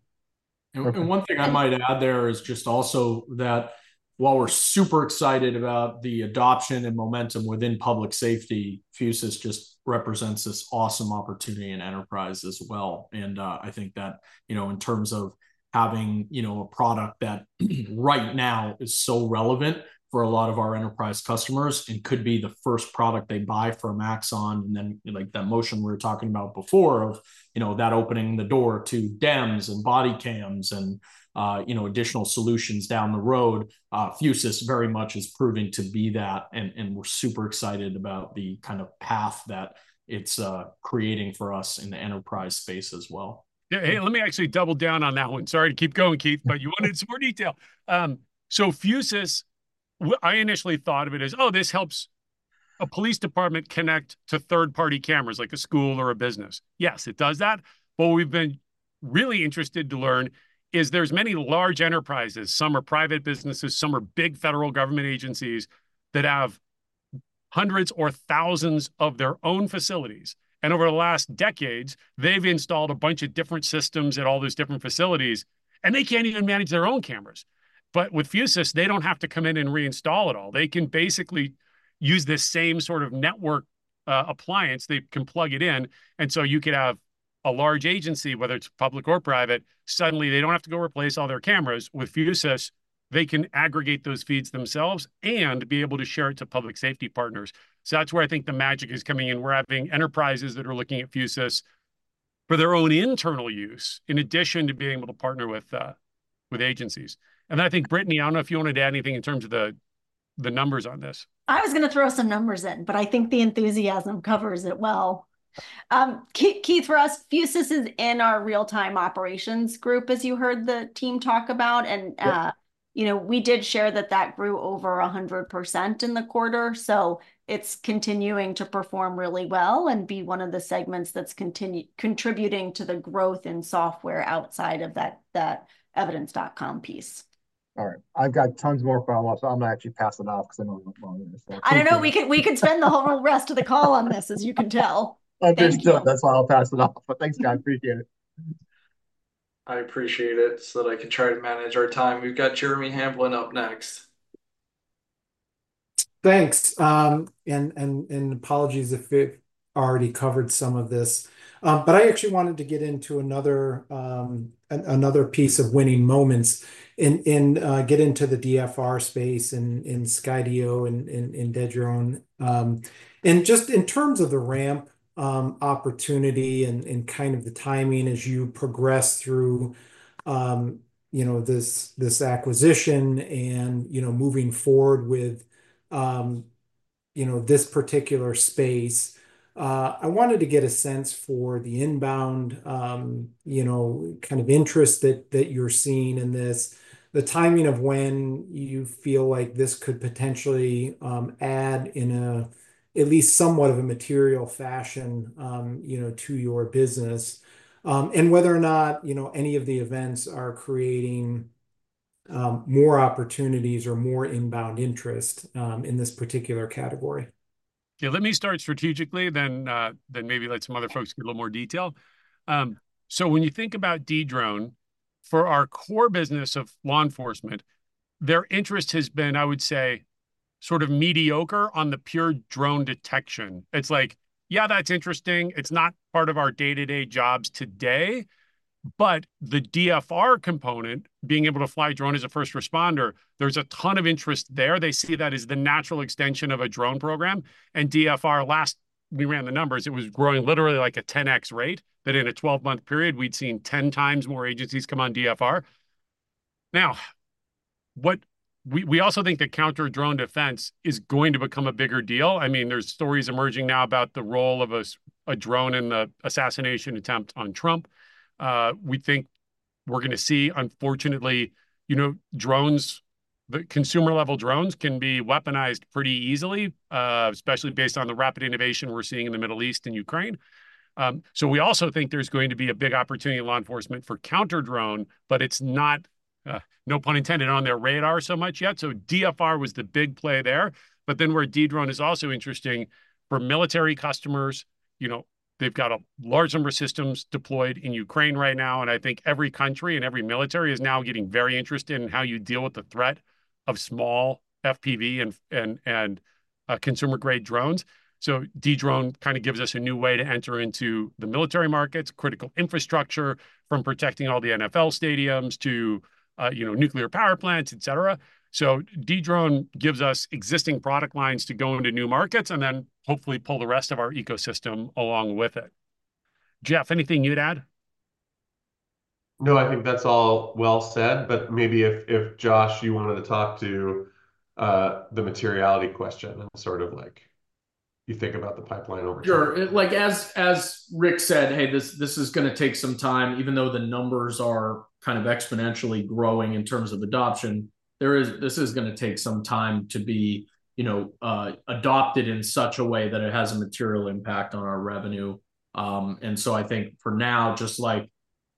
And one thing I might add there is just also that while we're super excited about the adoption and momentum within public safety, Fusus just represents this awesome opportunity in enterprise as well. And I think that, you know, in terms of having, you know, a product that right now is so relevant for a lot of our enterprise customers and could be the first product they buy from Axon, and then, like that motion we were talking about before of, you know, that opening the door to DEMS and body cams and, you know, additional solutions down the road, Fusus very much is proving to be that, and we're super excited about the kind of path that it's creating for us in the enterprise space as well. Yeah. Hey, let me actually double down on that one. Sorry to keep going, Keith, but you wanted some more detail. So, Fusus, I initially thought of it as, "Oh, this helps a police department connect to third-party cameras, like a school or a business." Yes, it does that, but what we've been really interested to learn is there's many large enterprises, some are private businesses, some are big federal government agencies, that have hundreds or thousands of their own facilities, and over the last decades, they've installed a bunch of different systems at all these different facilities, and they can't even manage their own cameras. But with Fusus, they don't have to come in and reinstall it all. They can basically use this same sort of network appliance. They can plug it in, and so you could have a large agency, whether it's public or private, suddenly they don't have to go replace all their cameras. With Fusus, they can aggregate those feeds themselves and be able to share it to public safety partners. So that's where I think the magic is coming in. We're having enterprises that are looking at Fusus for their own internal use, in addition to being able to partner with, with agencies. And I think, Brittany, I don't know if you wanted to add anything in terms of the, the numbers on this. I was gonna throw some numbers in, but I think the enthusiasm covers it well. Keith, for us, Fusus is in our Real-Time Operations group, as you heard the team talk about. Yeah You know, we did share that that grew over 100% in the quarter, so it's continuing to perform really well and be one of the segments that's contributing to the growth in software outside of that, that Evidence.com piece. All right. I've got tons more, but I'll, I'm gonna actually pass it off because I know how long it is. I don't know. We could, we could spend the whole rest of the call on this, as you can tell. Understood. That's why I'll pass it off. But thanks, guys, appreciate it. I appreciate it, so that I can try to manage our time. We've got Jeremy Hamblin up next. Thanks. And apologies if we've already covered some of this. But I actually wanted to get into another piece of winning moments and get into the DFR space and Skydio and Dedrone. And just in terms of the ramp opportunity and kind of the timing as you progress through this acquisition and you know, moving forward with this particular space, I wanted to get a sense for the inbound you know, kind of interest that you're seeing in this, the timing of when you feel like this could potentially add in at least somewhat of a material fashion you know, to your business, and whether or not you know, any of the events are creating more opportunities or more inbound interest, in this particular category? Yeah, let me start strategically, then, then maybe let some other folks give a little more detail. So when you think about drone, for our core business of law enforcement, their interest has been, I would say, sort of mediocre on the pure drone detection. It's like, "Yeah, that's interesting. It's not part of our day-to-day jobs today." But the DFR component, being able to fly a Drone as a First Responder, there's a ton of interest there. They see that as the natural extension of a drone program. And DFR, last we ran the numbers, it was growing literally like a 10x rate, that in a 12-month period we'd seen 10x more agencies come on DFR. Now, we also think that counter-drone defense is going to become a bigger deal. I mean, there's stories emerging now about the role of a drone in the assassination attempt on Trump. We think we're gonna see, unfortunately, you know, drones, the consumer-level drones can be weaponized pretty easily, especially based on the rapid innovation we're seeing in the Middle East and Ukraine. So we also think there's going to be a big opportunity in law enforcement for counter-drone, but it's not, no pun intended, on their radar so much yet. So DFR was the big play there. But then where Dedrone is also interesting for military customers, you know, they've got a large number of systems deployed in Ukraine right now, and I think every country and every military is now getting very interested in how you deal with the threat of small FPV and consumer-grade drones. So drone kind of gives us a new way to enter into the military markets, critical infrastructure, from protecting all the NFL stadiums to, you know, nuclear power plants, et cetera. So drone gives us existing product lines to go into new markets, and then hopefully pull the rest of our ecosystem along with it. Jeff, anything you'd add? No, I think that's all well said, but maybe if Josh, you wanted to talk to the materiality question and sort of like you think about the pipeline over. Sure. Like, as, as Rick said, "Hey, this, this is gonna take some time." Even though the numbers are kind of exponentially growing in terms of adoption, this is gonna take some time to be, you know, adopted in such a way that it has a material impact on our revenue. And so I think for now, just like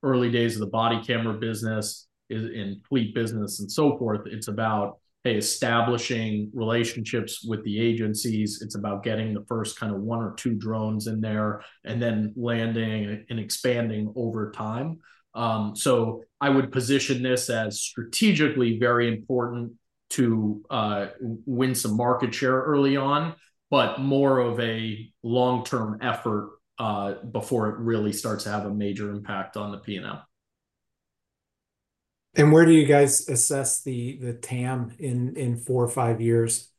early days of the body camera business and fleet business, and so forth, it's about, A, establishing relationships with the agencies. It's about getting the first kind of one or two drones in there, and then landing and expanding over time. So I would position this as strategically very important to win some market share early on, but more of a long-term effort before it really starts to have a major impact on the P&L. Where do you guys assess the TAM in four or five years?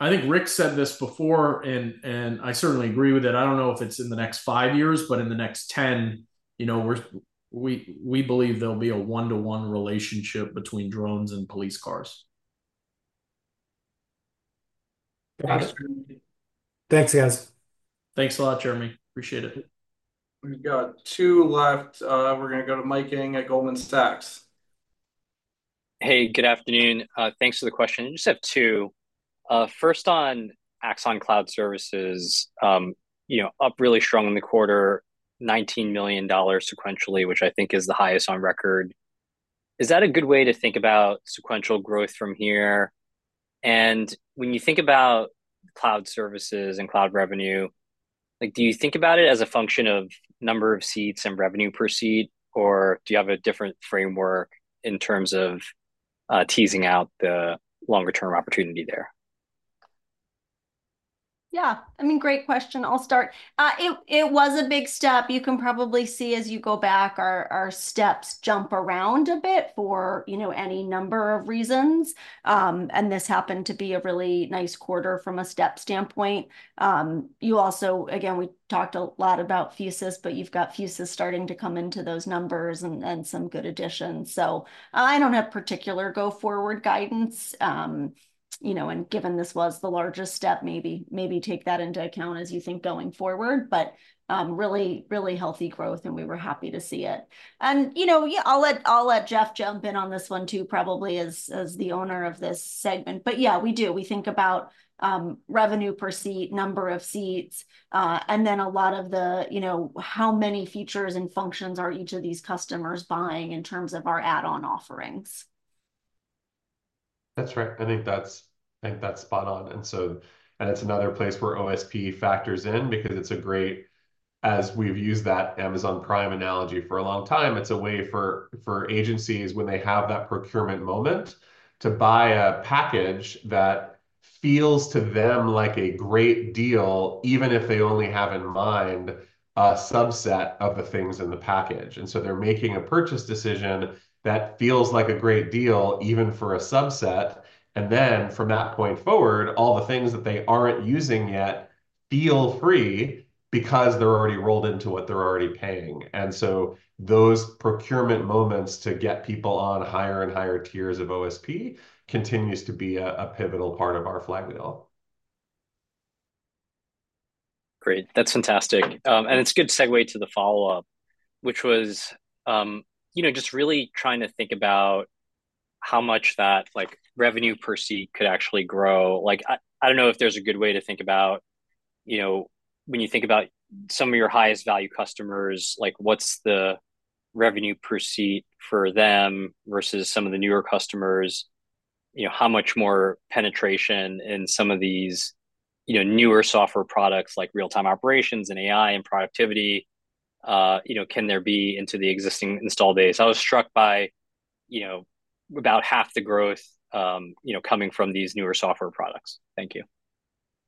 I think Rick said this before, and I certainly agree with it. I don't know if it's in the next five years, but in the next 10, you know, we're we believe there'll be a 1:1 relationship between drones and police cars. Got it. Thanks, guys. Thanks a lot, Jeremy. Appreciate it. We've got two left. We're gonna go to Mike Ng at Goldman Sachs. Hey, good afternoon. Thanks for the question. I just have two. First on Axon Cloud Services, you know, up really strong in the quarter, $19 million sequentially, which I think is the highest on record. Is that a good way to think about sequential growth from here? And when you think about cloud services and cloud revenue, like, do you think about it as a function of number of seats and revenue per seat, or do you have a different framework in terms of teasing out the longer-term opportunity there? Yeah. I mean, great question. I'll start. It was a big step. You can probably see as you go back, our steps jump around a bit for, you know, any number of reasons. And this happened to be a really nice quarter from a step standpoint. You also, again, we talked a lot about Fusus, but you've got Fusus starting to come into those numbers, and some good additions. So I don't have particular go-forward guidance. You know, and given this was the largest step, maybe take that into account as you think going forward. But really, really healthy growth, and we were happy to see it. And, you know, yeah, I'll let Jeff jump in on this one, too, probably, as the owner of this segment. But yeah, we do. We think about revenue per seat, number of seats, and then a lot of the, you know, how many features and functions are each of these customers buying in terms of our add-on offerings. That's right. I think that's, I think that's spot on, and so- and it's another place where OSP factors in because it's a great... As we've used that Amazon Prime analogy for a long time, it's a way for, for agencies, when they have that procurement moment, to buy a package that feels to them like a great deal, even if they only have in mind a subset of the things in the package. And so they're making a purchase decision that feels like a great deal, even for a subset, and then from that point forward, all the things that they aren't using yet feel free because they're already rolled into what they're already paying. And so those procurement moments to get people on higher and higher tiers of OSP continues to be a, a pivotal part of our flywheel. Great. That's fantastic. And it's a good segue to the follow-up, which was, you know, just really trying to think about how much that, like, revenue per seat could actually grow. Like, I don't know if there's a good way to think about, you know, when you think about some of your highest value customers, like, what's the revenue per seat for them versus some of the newer customers? You know, how much more penetration in some of these, you know, newer software products, like Real-Time Operations and AI and productivity, you know, can there be into the existing installed base? I was struck by, you know, about half the growth, you know, coming from these newer software products. Thank you.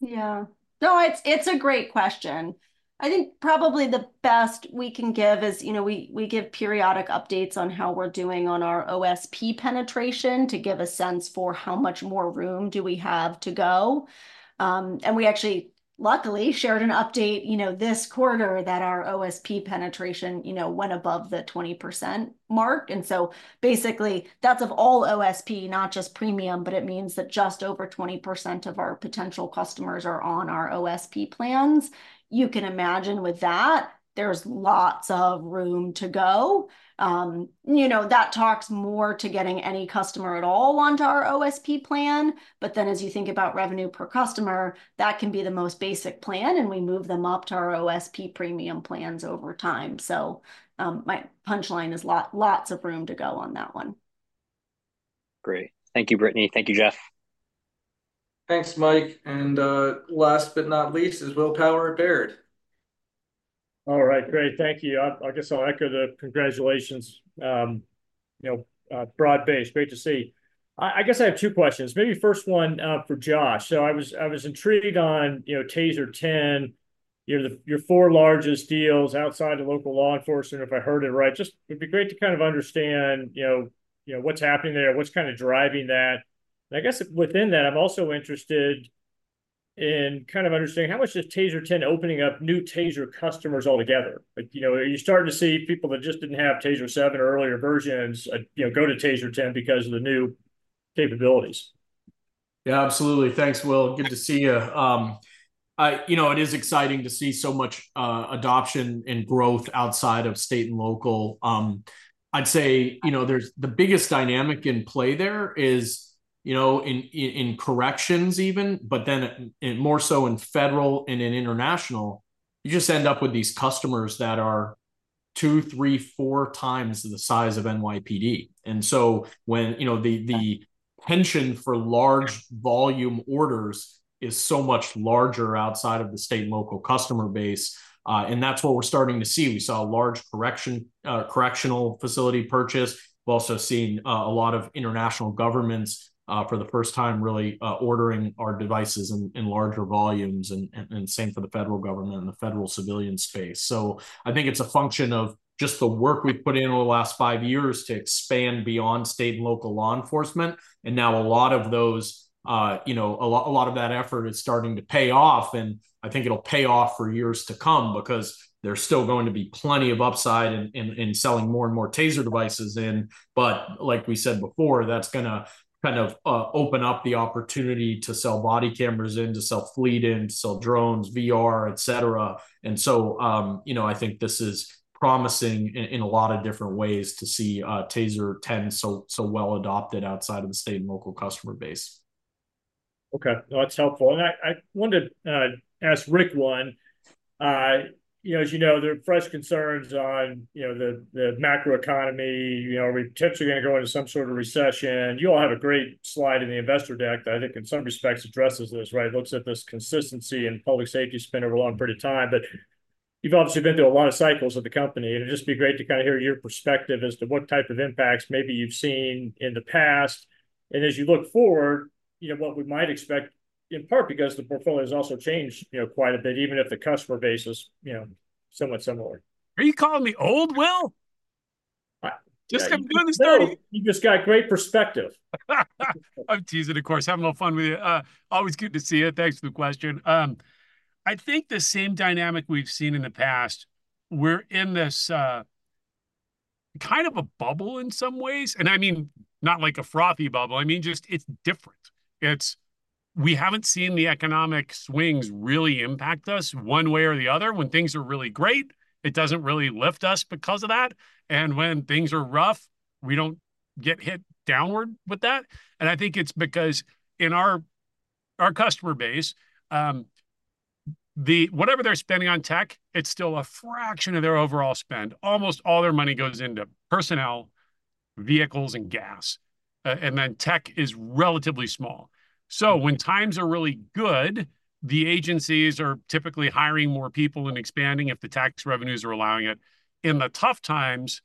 Yeah. No, it's, it's a great question. I think probably the best we can give is, you know, we, we give periodic updates on how we're doing on our OSP penetration, to give a sense for how much more room do we have to go. And we actually luckily shared an update, you know, this quarter that our OSP penetration, you know, went above the 20% mark. And so basically that's of all OSP, not just premium, but it means that just over 20% of our potential customers are on our OSP plans. You can imagine with that, there's lots of room to go. You know, that talks more to getting any customer at all onto our OSP plan, but then as you think about revenue per customer, that can be the most basic plan, and we move them up to our OSP premium plans over time. My punchline is lots of room to go on that one. Great. Thank you, Brittany. Thank you, Jeff. Thanks, Mike. Last but not least, is Will Power at Baird. All right. Great, thank you. I guess I'll echo the congratulations. You know, broad-based, great to see. I guess I have two questions. Maybe first one for Josh. So I was intrigued on, you know, TASER 10, you know, your four largest deals outside of local law enforcement, if I heard it right. Just, it'd be great to kind of understand, you know, you know, what's happening there, what's kind of driving that. And I guess within that, I'm also interested in kind of understanding how much does TASER 10 opening up new TASER customers altogether? Like, you know, are you starting to see people that just didn't have TASER 7 or earlier versions, you know, go to TASER 10 because of the new capabilities? Yeah, absolutely. Thanks, Will. Good to see you. You know, it is exciting to see so much adoption and growth outside of state and local. I'd say, you know, the biggest dynamic in play there is, you know, in corrections even, but then in more so in federal and in international, you just end up with these customers that are 2x, 3x, 4x the size of NYPD. And so when, you know, the penchant for large volume orders is so much larger outside of the state and local customer base, and that's what we're starting to see. We saw a large correctional facility purchase. We've also seen a lot of international governments for the first time really ordering our devices in larger volumes, and the same for the federal government and the federal civilian space. So I think it's a function of just the work we've put in over the last five years to expand beyond state and local law enforcement, and now a lot of those, you know, a lot of that effort is starting to pay off. And I think it'll pay off for years to come, because there's still going to be plenty of upside in selling more and more TASER devices in. But like we said before, that's gonna kind of open up the opportunity to sell body cameras in, to sell fleet in, to sell drones, VR, et cetera. You know, I think this is promising in a lot of different ways to see TASER 10 so well adopted outside of the state and local customer base. Okay, no, that's helpful. And I, I wanted to ask Rick one. You know, as you know, there are fresh concerns on, you know, the, the macroeconomy, you know, are we potentially gonna go into some sort of recession? You all have a great slide in the investor deck that I think in some respects addresses this, right? It looks at this consistency in public safety spend over a long period of time. But you've obviously been through a lot of cycles at the company, and it'd just be great to kind of hear your perspective as to what type of impacts maybe you've seen in the past, and as you look forward, you know, what we might expect, in part because the portfolio's also changed, you know, quite a bit, even if the customer base is, you know, somewhat similar. Are you calling me old, Will? Just coming- No! You've just got great perspective. I'm teasing, of course. Having a little fun with you. Always good to see you. Thanks for the question. I think the same dynamic we've seen in the past, we're in this kind of a bubble in some ways. And I mean, not like a frothy bubble, I mean, just it's different. We haven't seen the economic swings really impact us one way or the other. When things are really great, it doesn't really lift us because of that, and when things are rough, we don't get hit downward with that. And I think it's because in our customer base, whatever they're spending on tech, it's still a fraction of their overall spend. Almost all their money goes into personnel, vehicles, and gas, and then tech is relatively small. So when times are really good, the agencies are typically hiring more people and expanding if the tax revenues are allowing it. In the tough times,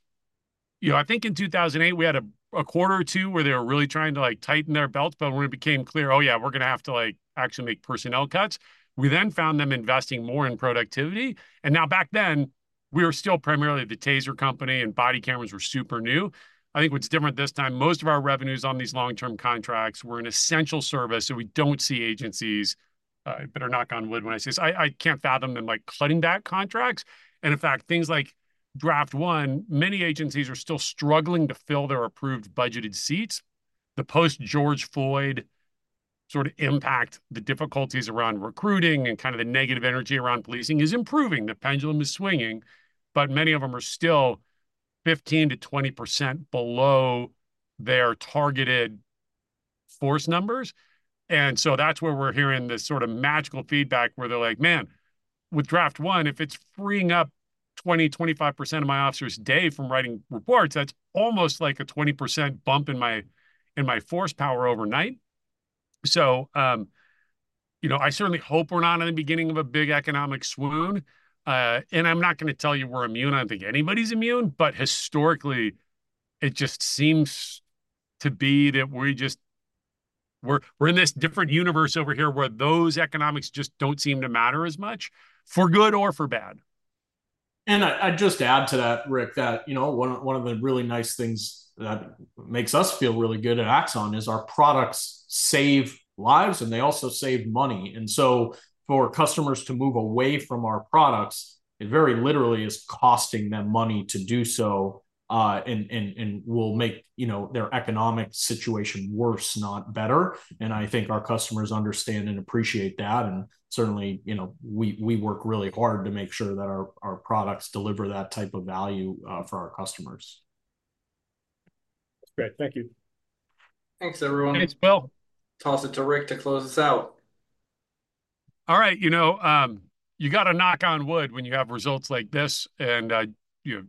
you know, I think in 2008, we had a quarter or two where they were really trying to, like, tighten their belts, but when it became clear, "Oh, yeah, we're gonna have to, like, actually make personnel cuts," we then found them investing more in productivity. And now back then, we were still primarily the TASER company, and body cameras were super new. I think what's different this time, most of our revenue's on these long-term contracts. We're an essential service, so we don't see agencies, better knock on wood when I say this, I can't fathom them, like, cutting back contracts. And in fact, things like Draft One, many agencies are still struggling to fill their approved budgeted seats. The post-George Floyd sort of impact the difficulties around recruiting and kind of the negative energy around policing is improving. The pendulum is swinging, but many of them are still 15%-20% below their targeted force numbers. And so that's where we're hearing this sort of magical feedback, where they're like, "Man, with Draft One, if it's freeing up 20%-25% of my officers' day from writing reports, that's almost like a 20% bump in my, in my force power overnight." So, you know, I certainly hope we're not in the beginning of a big economic swoon. And I'm not gonna tell you we're immune. I don't think anybody's immune, but historically, it just seems to be that we just- we're in this different universe over here, where those economics just don't seem to matter as much, for good or for bad. I'd just add to that, Rick, that, you know, one of the really nice things that makes us feel really good at Axon is our products save lives, and they also save money. And so for customers to move away from our products, it very literally is costing them money to do so, and will make, you know, their economic situation worse, not better. And I think our customers understand and appreciate that, and certainly, you know, we work really hard to make sure that our products deliver that type of value for our customers. Great. Thank you. Thanks, everyone. Thanks, Will. Toss it to Rick to close us out. All right, you know, you gotta knock on wood when you have results like this. And, you know,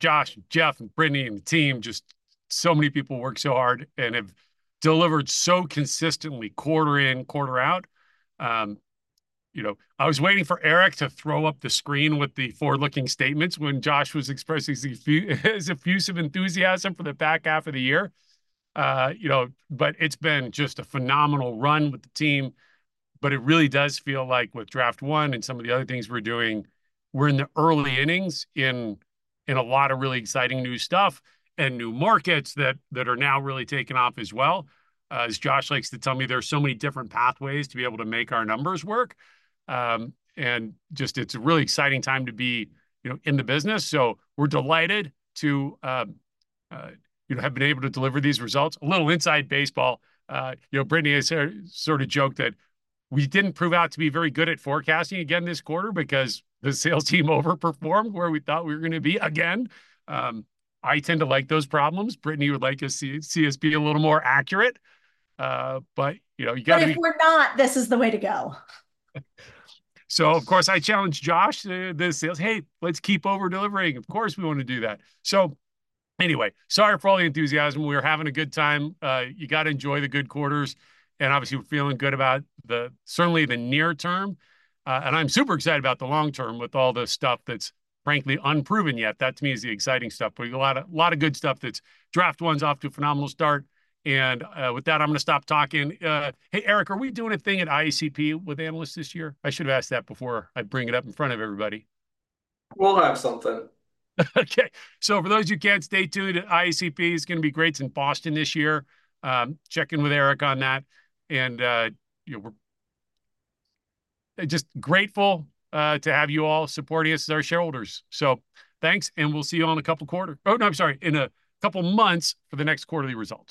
Josh, Jeff, and Brittany, and the team, just so many people work so hard and have delivered so consistently, quarter in, quarter out. You know, I was waiting for Erik to throw up the screen with the forward-looking statements when Josh was expressing his effusive enthusiasm for the back half of the year. You know, but it's been just a phenomenal run with the team, but it really does feel like with Draft One and some of the other things we're doing, we're in the early innings in a lot of really exciting new stuff and new markets that are now really taking off as well. As Josh likes to tell me, there are so many different pathways to be able to make our numbers work. And just, it's a really exciting time to be, you know, in the business. So we're delighted to, you know, have been able to deliver these results. A little inside baseball, you know, Brittany has sort of joked that we didn't prove out to be very good at forecasting again this quarter because the sales team overperformed where we thought we were gonna be again. I tend to like those problems. Brittany would like to see us be a little more accurate. But, you know, you gotta be. But if we're not, this is the way to go. So of course, I challenged Josh, the sales, "Hey, let's keep over-delivering." Of course, we wanna do that. So anyway, sorry for all the enthusiasm. We're having a good time. You gotta enjoy the good quarters, and obviously, we're feeling good about certainly the near term. And I'm super excited about the long term with all the stuff that's frankly unproven yet. That, to me, is the exciting stuff. We have a lot of, lot of good stuff that's Draft One's off to a phenomenal start, and with that, I'm gonna stop talking. Hey, Erik, are we doing a thing at IACP with analysts this year? I should've asked that before I bring it up in front of everybody. We'll have something. Okay. So for those who can, stay tuned. IACP is gonna be great. It's in Boston this year. Check in with Erik on that, and, you know, we're just grateful to have you all supporting us as our shareholders. So thanks, and we'll see you all in a couple months for the next quarterly results.